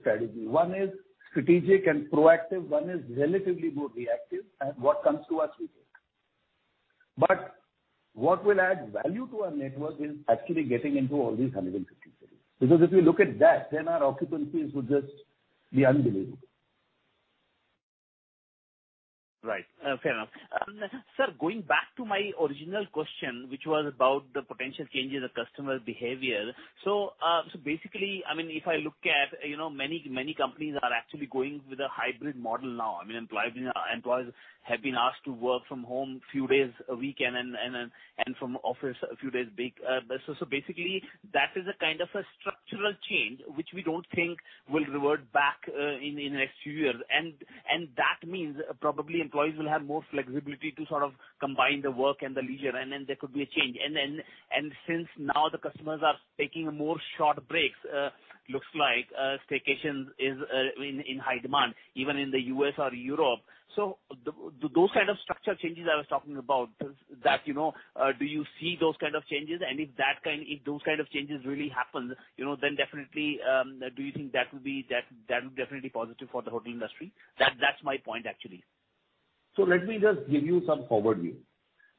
strategy. One is strategic and proactive, one is relatively more reactive and what comes to us we take. What will add value to our network is actually getting into all these 150 cities. Because if you look at that, then our occupancies would just be unbelievable. Right. Fair enough. Sir, going back to my original question, which was about the potential changes of customer behavior. Basically, I mean, if I look at, you know, many companies are actually going with a hybrid model now. I mean, employees have been asked to work from home few days a week and then from office a few days a week. Basically that is a kind of a structural change which we don't think will revert back in the next few years. That means probably employees will have more flexibility to sort of combine the work and the leisure, and then there could be a change. Since now the customers are taking more short breaks, looks like staycations is in high demand even in the U.S. or Europe. Those kind of structural changes I was talking about, you know, do you see those kind of changes? If those kind of changes really happen, you know, then definitely do you think that will definitely be positive for the hotel industry? That's my point actually. Let me just give you some forward view.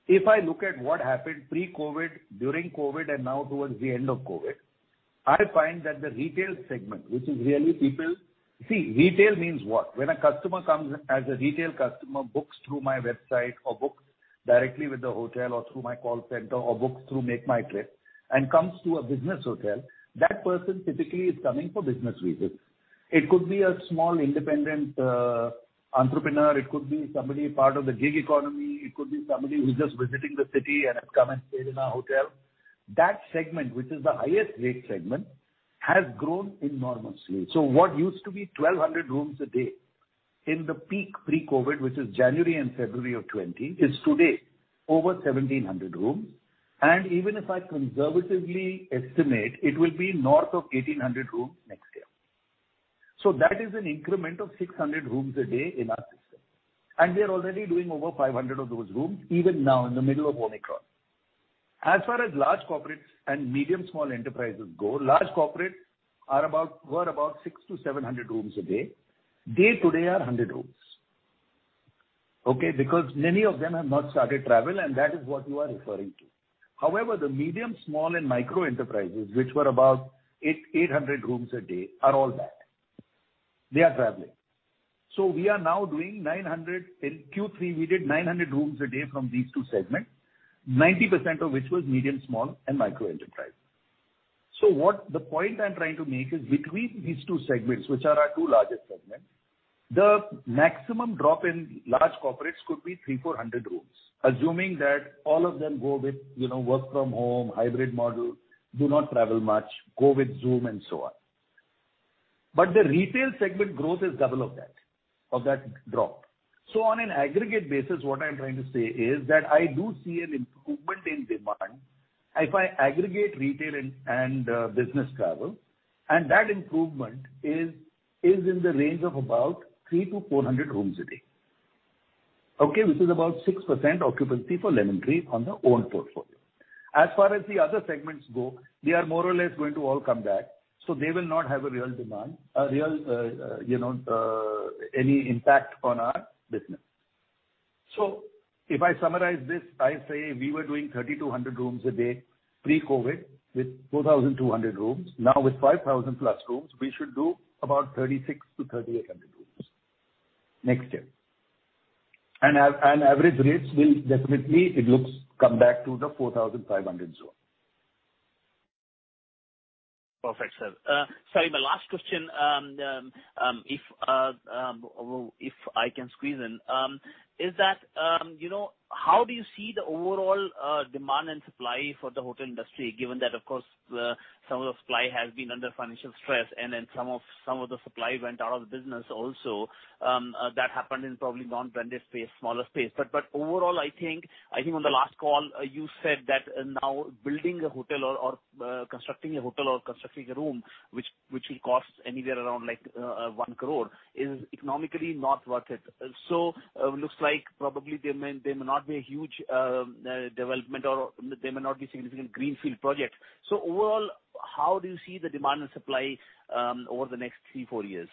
If I look at what happened pre-COVID, during COVID, and now towards the end of COVID, I find that the retail segment, which is really people. See, retail means what? When a customer comes as a retail customer, books through my website or books directly with the hotel or through my call center or books through MakeMyTrip and comes to a business hotel, that person typically is coming for business reasons. It could be a small independent entrepreneur, it could be somebody part of the gig economy, it could be somebody who's just visiting the city and have come and stayed in our hotel. That segment, which is the highest rate segment, has grown enormously. What used to be 1,200 rooms a day in the peak pre-COVID, which is January and February of 2020, is today over 1,700 rooms. Even if I conservatively estimate, it will be north of 1,800 rooms next year. That is an increment of 600 rooms a day in our system. We are already doing over 500 of those rooms even now in the middle of Omicron. As far as large corporates and medium small enterprises go, large corporates are about were about 600-700 rooms a day. They today are 100 rooms. Okay? Because many of them have not started travel, and that is what you are referring to. However, the medium, small and micro enterprises, which were about 800 rooms a day, are all back. They are traveling. We are now doing 900... In Q3 we did 900 rooms a day from these two segments, 90% of which was medium, small and micro enterprise. What the point I'm trying to make is between these two segments, which are our two largest segments, the maximum drop in large corporates could be 300-400 rooms, assuming that all of them go with, you know, work from home, hybrid model, do not travel much, go with Zoom, and so on. The retail segment growth is double of that drop. On an aggregate basis, what I'm trying to say is that I do see an improvement in demand if I aggregate retail and business travel, and that improvement is in the range of about 300-400 rooms a day. Okay? Which is about 6% occupancy for Lemon Tree on the owned portfolio. As far as the other segments go, they are more or less going to all come back, so they will not have a real demand, you know, any impact on our business. If I summarize this, I say we were doing 3,200 rooms a day pre-COVID with 4,200 rooms. Now with 5,000+ rooms, we should do about 3,600-3,800 rooms next year. Average rates will definitely, it looks, come back to the 4,500 zone. Perfect, sir. Sorry, my last question, if I can squeeze in, is that, you know, how do you see the overall demand and supply for the hotel industry, given that, of course, some of the supply has been under financial stress, and then some of the supply went out of the business also, that happened in probably non-branded space, smaller space. Overall, I think on the last call you said that now building a hotel or constructing a hotel or constructing a room which will cost anywhere around like 1 crore is economically not worth it. Looks like probably there may not be a huge development or there may not be significant greenfield projects. Overall, how do you see the demand and supply over the next three, four years?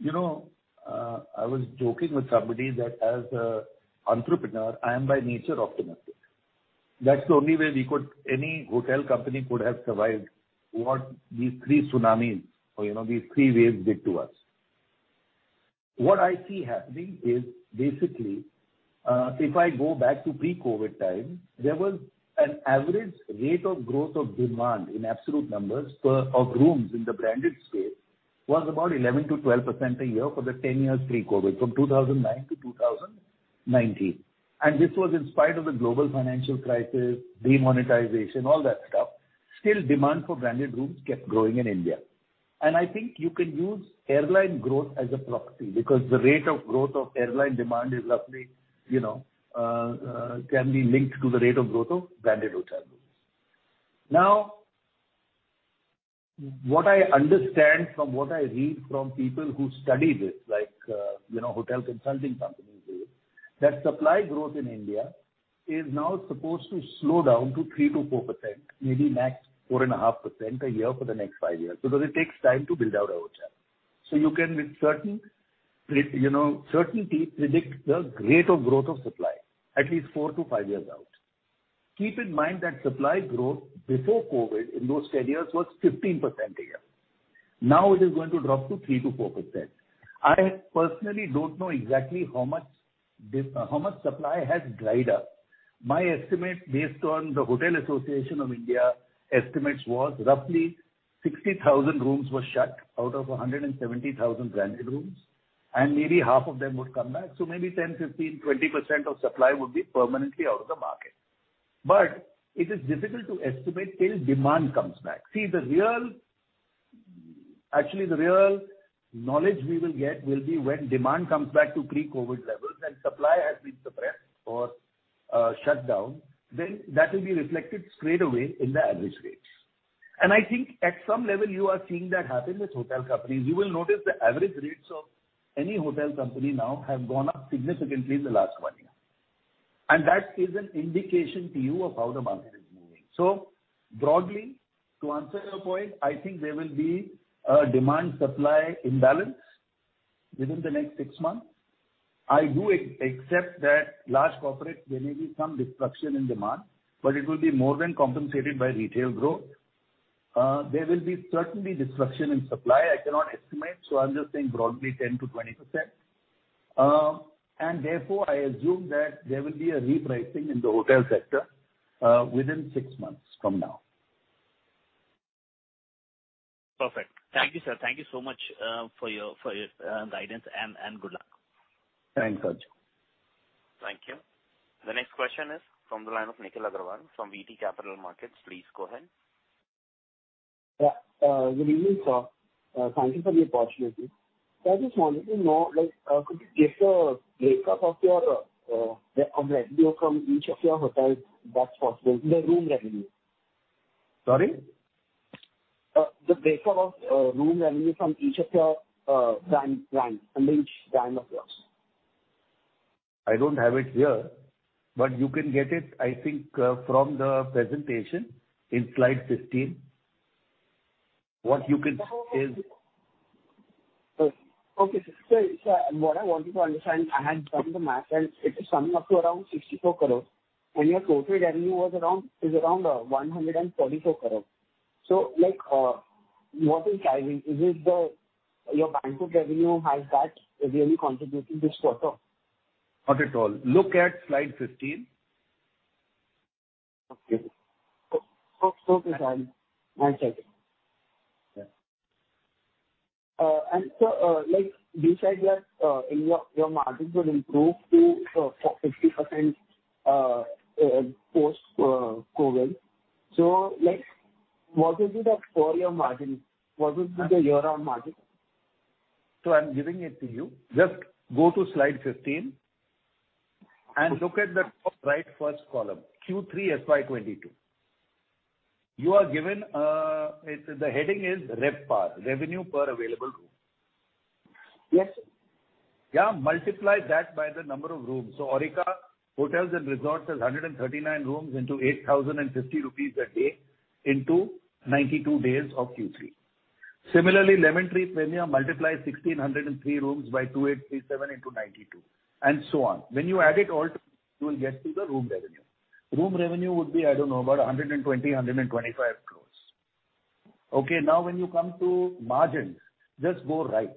You know, I was joking with somebody that as a entrepreneur, I am by nature optimistic. That's the only way any hotel company could have survived what these three tsunamis or, you know, these three waves did to us. What I see happening is basically, if I go back to pre-COVID time, there was an average rate of growth of demand in absolute numbers of rooms in the branded space was about 11%-12% a year for the 10 years pre-COVID, from 2009 to 2019. This was in spite of the global financial crisis, demonetization, all that stuff. Still, demand for branded rooms kept growing in India. I think you can use airline growth as a proxy because the rate of growth of airline demand is roughly, you know, can be linked to the rate of growth of branded hotel rooms. Now, what I understand from what I read from people who study this, like, you know, hotel consulting companies do, that supply growth in India is now supposed to slow down to 3%-4%, maybe max 4.5% a year for the next five years, because it takes time to build out a hotel. You can with certain certainty predict the rate of growth of supply at least four-five years out. Keep in mind that supply growth before COVID in those 10 years was 15% a year. Now it is going to drop to 3%-4%. I personally don't know exactly how much supply has dried up. My estimate based on the Hotel Association of India estimates was roughly 60,000 rooms were shut out of 170,000 branded rooms, and maybe half of them would come back. Maybe 10%, 15%, 20% of supply would be permanently out of the market. It is difficult to estimate till demand comes back. See, the real knowledge we will get will be when demand comes back to pre-COVID levels and supply has been suppressed or shut down, then that will be reflected straight away in the average rates. I think at some level you are seeing that happen with hotel companies. You will notice the average rates of any hotel company now have gone up significantly in the last 1 year. That is an indication to you of how the market is moving. Broadly, to answer your point, I think there will be a demand-supply imbalance within the next six months. I do accept that large corporate there may be some disruption in demand, but it will be more than compensated by retail growth. There will be certainly disruption in supply. I cannot estimate, I'm just saying broadly 10%-20%. Therefore I assume that there will be a repricing in the hotel sector, within six months from now. Perfect. Thank you, sir. Thank you so much for your guidance and good luck. Thanks, Achal. Thank you. The next question is from the line of Nikhil Agrawal from VT Capital Market. Please go ahead. Good evening, sir. Thank you for the opportunity. I just wanted to know, like, could you give the breakdown of the revenue from each of your hotels that's possible, the room revenue? Sorry? The breakdown of room revenue from each of your brands. I mean, each brand of yours. I don't have it here, but you can get it, I think, from the presentation in slide 15. Okay, sir. What I wanted to understand, I had done the math, and it is summing up to around 64 crore. Your total revenue is around 144 crore. Like, what is driving? Is it your Bangkok revenue? Has that really contributed this quarter? Not at all. Look at slide 15. Okay. Okay, sir. I'll check it. Yeah. like you said that your margins will improve to 50% post-COVID. Like, what would be the core year margin? What would be the year-on-year margin? I'm giving it to you. Just go to slide 15 and look at the top right first column, Q3 FY 2022. You are given the heading is RevPAR, revenue per available room. Yes. Yeah. Multiply that by the number of rooms. Aurika Hotels & Resorts has 139 rooms into 8,050 rupees a day into 92 days of Q3. Similarly, Lemon Tree Premier multiplies 1,603 rooms by 2,837 into 92, and so on. When you add it all together, you will get to the room revenue. Room revenue would be, I don't know, about 125 crore. Okay, now when you come to margins, just go right,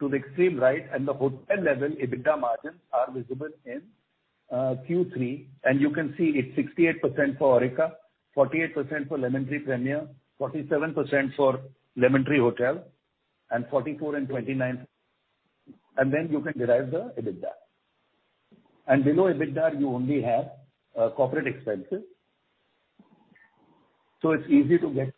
to the extreme right, and the hotel level EBITDA margins are visible in Q3. You can see it's 68% for Aurika, 48% for Lemon Tree Premier, 47% for Lemon Tree Hotels and 44 and 29. Then you can derive the EBITDA. Below EBITDA you only have corporate expenses. It's easy to get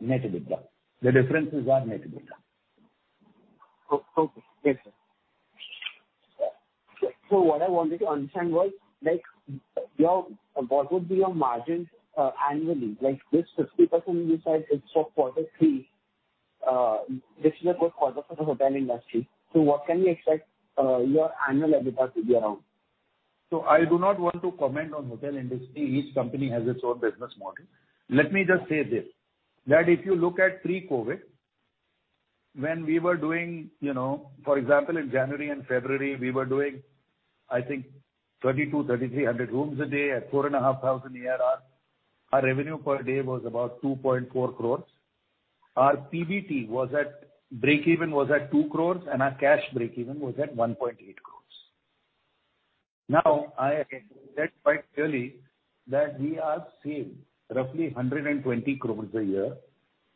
net EBITDA. The differences are net EBITDA. Okay. Yes, sir. What I wanted to understand was like, your what would be your margins annually? Like this 50% you said is for quarter three, this is a good quarter for the hotel industry, what can we expect, your annual EBITDA to be around? I do not want to comment on hotel industry. Each company has its own business model. Let me just say this, that if you look at pre-COVID, when we were doing, you know, for example, in January and February, we were doing, I think, 3,200-3,300 rooms a day at 4,500 ARR. Our revenue per day was about 2.4 crores. Our PBT was at, breakeven was at 2 crores and our cash breakeven was at 1.8 crores. Now, I said quite clearly that we are seeing roughly 120 crores a year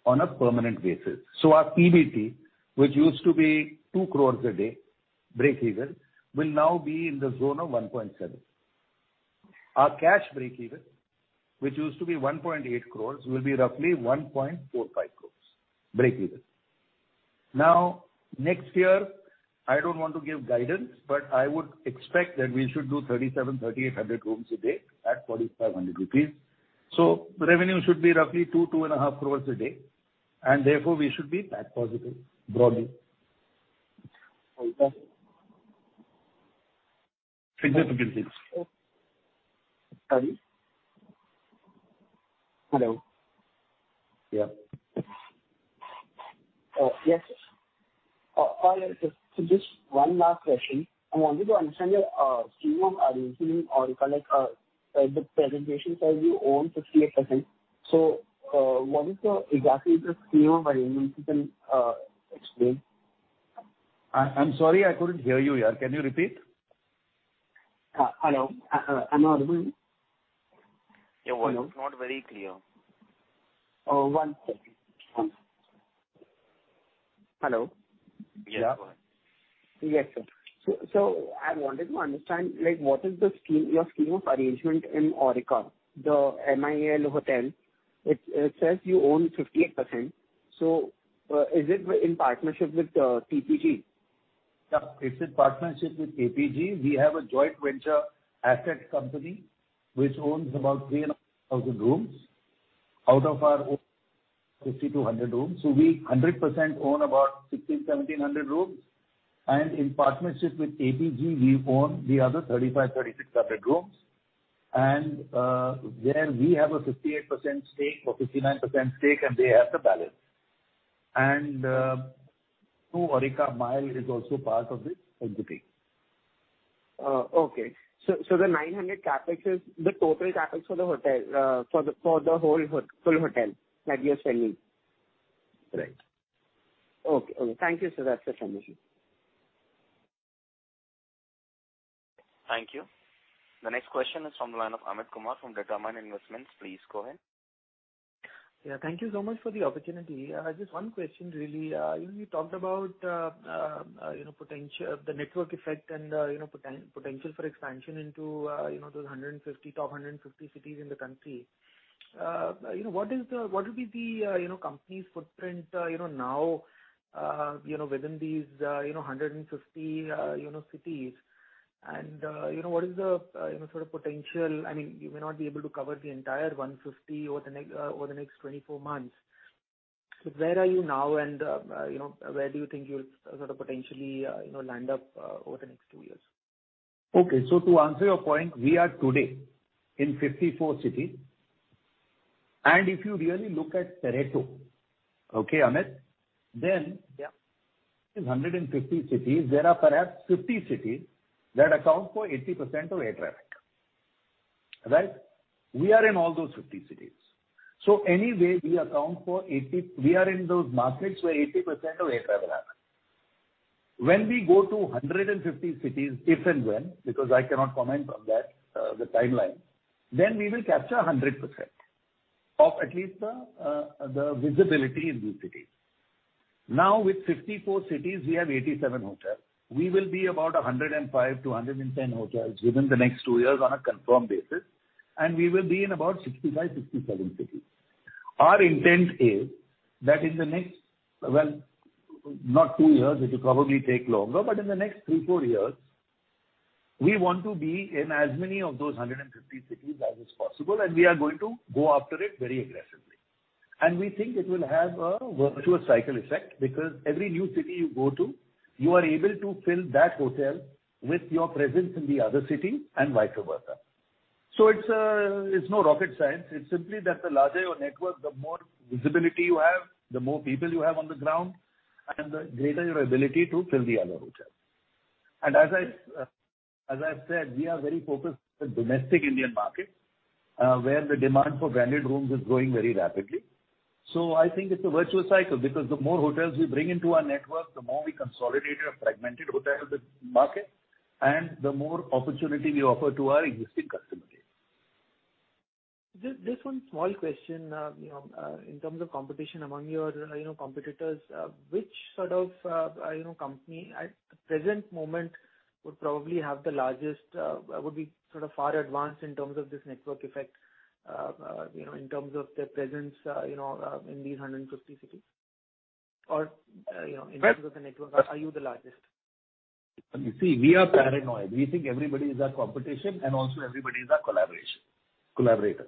on a permanent basis. Our PBT, which used to be 2 crores a day breakeven, will now be in the zone of 1.7. Our cash breakeven, which used to be 1.8 crores, will be roughly 1.45 crores breakeven. Now, next year, I don't want to give guidance, but I would expect that we should do 3,700-3,800 rooms a day at 4,500 rupees. Revenue should be roughly 2 crore-2.5 crore a day, and therefore we should be PAT positive broadly. Okay. Figure the bill, please. Okay. Sorry. Hello. Yeah. Yes. Just one last question. I wanted to understand your scheme of arrangement or like the presentation says you own 58%. What is exactly the scheme of arrangement, if you can explain? I'm sorry I couldn't hear you, yaar. Can you repeat? Hello. Am I audible? Your voice is not very clear. Oh, one second. Hello? Yes, go ahead. Yes, sir. I wanted to understand, like, what is the scheme, your scheme of arrangement in Aurika, the MIEL hotel? It says you own 58%, so is it in partnership with TPG? Yeah. It's in partnership with TPG. We have a joint venture asset company which owns about 3,500 rooms out of our 5,000-6,000 rooms. We 100% own about 1,600-1,700 rooms. In partnership with APG, we own the other 3,500-3,600 rooms. There we have a 58% stake or 59% stake, and they have the balance. Through Aurika, MIEL is also part of this entity. The 900 CapEx is the total CapEx for the hotel, for the whole full hotel that you're selling? Right. Okay. Thank you, sir. That's the summation. Thank you. The next question is from the line of Amit Kumar from Determined Investments. Please go ahead. Yeah, thank you so much for the opportunity. I have just one question really. You know, you talked about the network effect and, you know, potential for expansion into, you know, those top 150 cities in the country. You know, what is the... What will be the, you know, company's footprint, you know, now, you know, within these, you know, 150, you know, cities and, you know, what is the, you know, sort of potential... I mean, you may not be able to cover the entire 150 over the next, over the next 24 months, but where are you now and, you know, where do you think you'll sort of potentially, you know, land up, over the next two years? Okay. To answer your point, we are today in 54 cities, and if you really look at Pareto, okay, Amit, then Yeah. In 150 cities there are perhaps 50 cities that account for 80% of air traffic, right? We are in all those 50 cities, so anyway we are in those markets where 80% of air travel happens. When we go to 150 cities, if and when, because I cannot comment on that, the timeline, then we will capture 100% of at least the visibility in these cities. Now, with 54 cities we have 87 hotels. We will be about 105-110 hotels within the next two years on a confirmed basis, and we will be in about 65-67 cities. Our intent is that in the next not two years, it will probably take longer, but in the next three-four years we want to be in as many of those 150 cities as is possible, and we are going to go after it very aggressively. We think it will have a virtuous cycle effect because every new city you go to, you are able to fill that hotel with your presence in the other city and vice versa. It's no rocket science. It's simply that the larger your network, the more visibility you have, the more people you have on the ground, and the greater your ability to fill the other hotels. As I said, we are very focused on domestic Indian market, where the demand for branded rooms is growing very rapidly. I think it's a virtuous cycle because the more hotels we bring into our network, the more we consolidate our fragmented hotel room market and the more opportunity we offer to our existing customer base. Just one small question. You know, in terms of competition among your, you know, competitors, which sort of, you know, company at the present moment would probably have the largest, would be sort of far advanced in terms of this network effect, you know, in terms of their presence, you know, in these 150 cities? Or, you know, in terms of the network, are you the largest? You see, we are paranoid. We think everybody is our competition and also everybody is our collaboration, collaborator.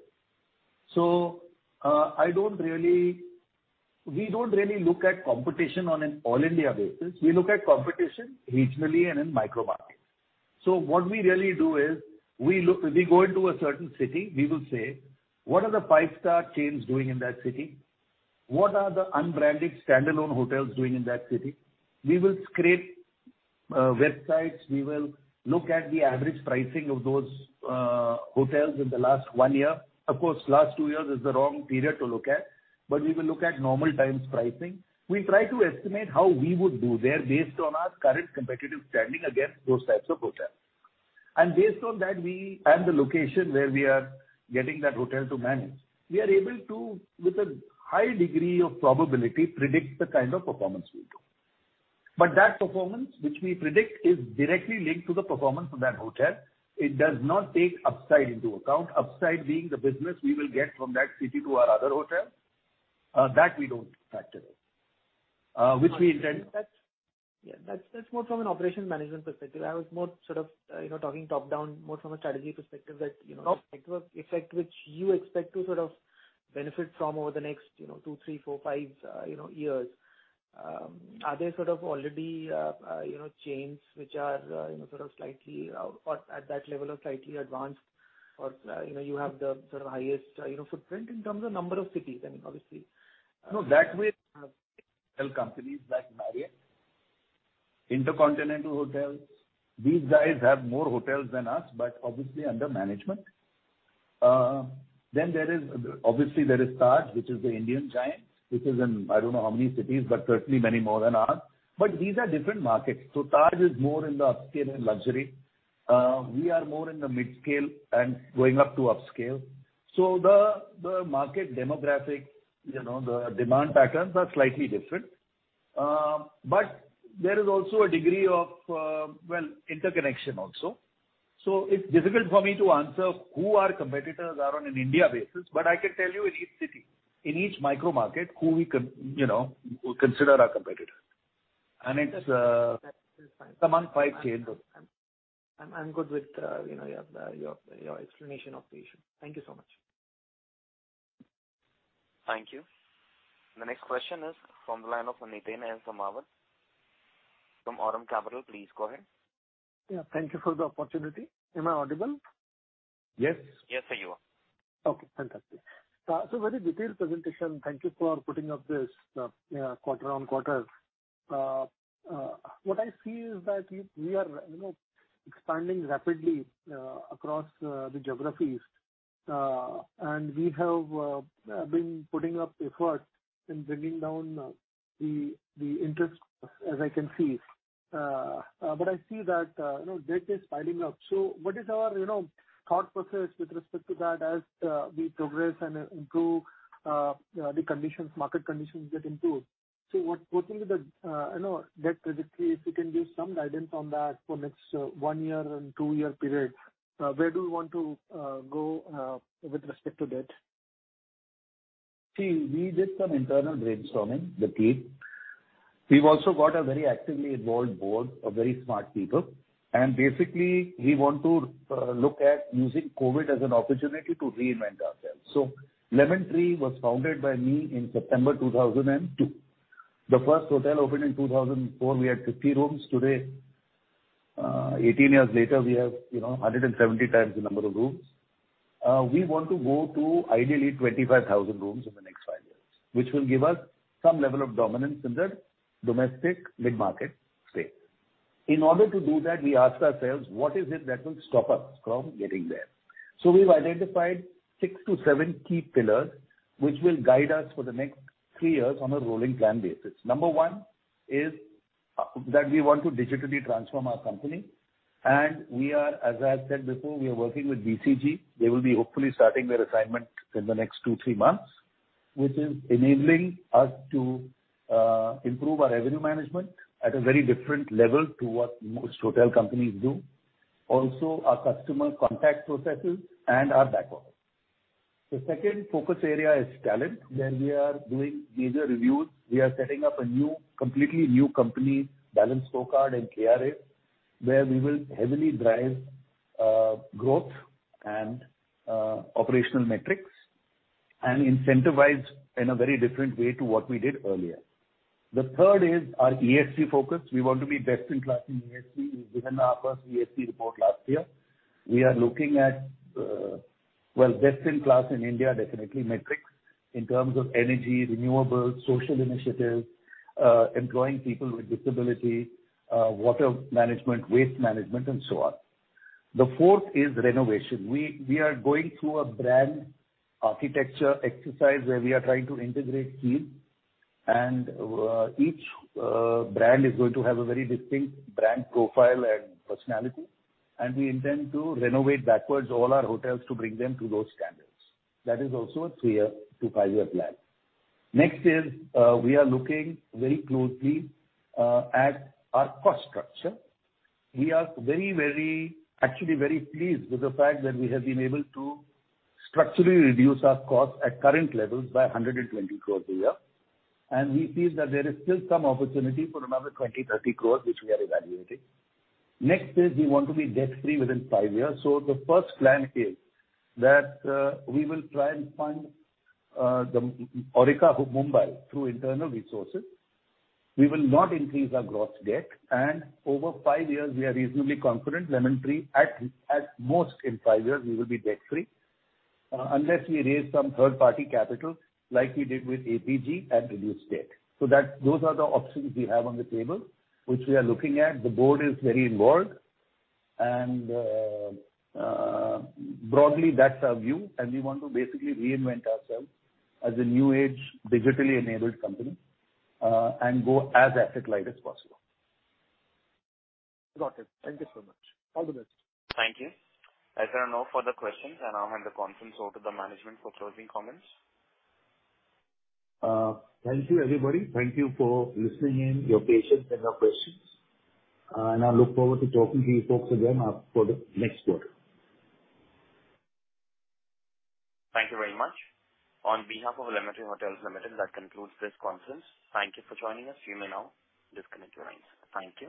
We don't really look at competition on an all India basis. We look at competition regionally and in micro-markets. What we really do is we look, we go into a certain city, we will say, "What are the five-star chains doing in that city? What are the unbranded standalone hotels doing in that city?" We will scrape websites. We will look at the average pricing of those hotels in the last one year. Of course, last two years is the wrong period to look at, but we will look at normal times pricing. We try to estimate how we would do there based on our current competitive standing against those types of hotels. Based on that we, and the location where we are getting that hotel to manage, we are able to, with a high degree of probability, predict the kind of performance we do. That performance which we predict is directly linked to the performance of that hotel. It does not take upside into account. Upside being the business we will get from that city to our other hotel. That we don't factor in. Which we intend- Yeah, that's more from an operations management perspective. I was more sort of, you know, talking top-down more from a strategy perspective that, you know- Okay. network effect which you expect to sort of benefit from over the next, you know, two, three, four, five, you know, years, are they sort of already, you know, chains which are, you know, sort of slightly or at that level of slightly advanced or, you know, you have the sort of highest, you know, footprint in terms of number of cities? I mean, obviously. No, that way companies like Marriott, InterContinental Hotels, these guys have more hotels than us, but obviously under management. There is obviously Taj, which is the Indian giant, which is in I don't know how many cities, but certainly many more than ours. These are different markets. Taj is more in the upscale and luxury. We are more in the mid-scale and going up to upscale. The market demographic, you know, the demand patterns are slightly different. There is also a degree of well, interconnection also. It's difficult for me to answer who our competitors are on an India basis, but I can tell you in each city, in each micro-market, who you know, we consider our competitor. It's That's fine. Some 5 chains. I'm good with, you know, your explanation of the issue. Thank you so much. Thank you. The next question is from the line of Niteen S. Dharmawat from Aurum Capital. Please go ahead. Yeah, thank you for the opportunity. Am I audible? Yes. Yes, sir, you are. Okay, fantastic. Very detailed presentation. Thank you for putting up this quarter-on-quarter. What I see is that we are, you know, expanding rapidly across the geographies. We have been putting up effort in bringing down the interest as I can see. I see that, you know, debt is piling up. What is our, you know, thought process with respect to that as we progress and improve the conditions, market conditions get improved. What will be the, you know, debt trajectory? If you can give some guidance on that for next one year and two-year period, where do we want to go with respect to debt? See, we did some internal brainstorming, the team. We've also got a very actively involved board of very smart people, and basically we want to look at using COVID as an opportunity to reinvent ourselves. Lemon Tree was founded by me in September 2002. The first hotel opened in 2004. We had 50 rooms. Today, 18 years later, we have, you know, 170 times the number of rooms. We want to go to ideally 25,000 rooms in the next five years, which will give us some level of dominance in the domestic mid-market space. In order to do that, we ask ourselves, "What is it that will stop us from getting there?" We've identified six-seven key pillars which will guide us for the next three years on a rolling plan basis. Number one is that we want to digitally transform our company, and we are, as I said before, working with BCG. They will hopefully start their assignment in the next two-three months, which is enabling us to improve our revenue management at a very different level to what most hotel companies do. Also, our customer contact processes and our back office. The second focus area is talent, where we are doing major reviews. We are setting up a new, completely new company balanced scorecard and KRA, where we will heavily drive growth and operational metrics and incentivize in a very different way to what we did earlier. The third is our ESG focus. We want to be best in class in ESG. We've given our first ESG report last year. We are looking at best in class in India, definitely metrics in terms of energy, renewables, social initiatives, employing people with disability, water management, waste management, and so on. The fourth is renovation. We are going through a brand architecture exercise where we are trying to integrate Keys and each brand is going to have a very distinct brand profile and personality, and we intend to renovate backwards all our hotels to bring them to those standards. That is also a three-year to five-year plan. Next, we are looking very closely at our cost structure. We are actually very pleased with the fact that we have been able to structurally reduce our costs at current levels by 120 crores a year. We feel that there is still some opportunity for another 20-30 crores, which we are evaluating. Next, we want to be debt-free within five years. The first plan is that we will try and fund the Aurika Mumbai through internal resources. We will not increase our gross debt, and over five years we are reasonably confident Lemon Tree at most in five years we will be debt-free, unless we raise some third-party capital like we did with APG and reduce debt. Those are the options we have on the table, which we are looking at. The board is very involved, and broadly, that's our view, and we want to basically reinvent ourselves as a new-age, digitally enabled company, and go as asset-light as possible. Got it. Thank you so much. All the best. Thank you. As there are no further questions, I now hand the conference over to the management for closing comments. Thank you, everybody. Thank you for listening in, your patience and your questions. I look forward to talking to you folks again, for the next quarter. Thank you very much. On behalf of Lemon Tree Hotels Limited, that concludes this conference. Thank you for joining us. You may now disconnect your lines. Thank you.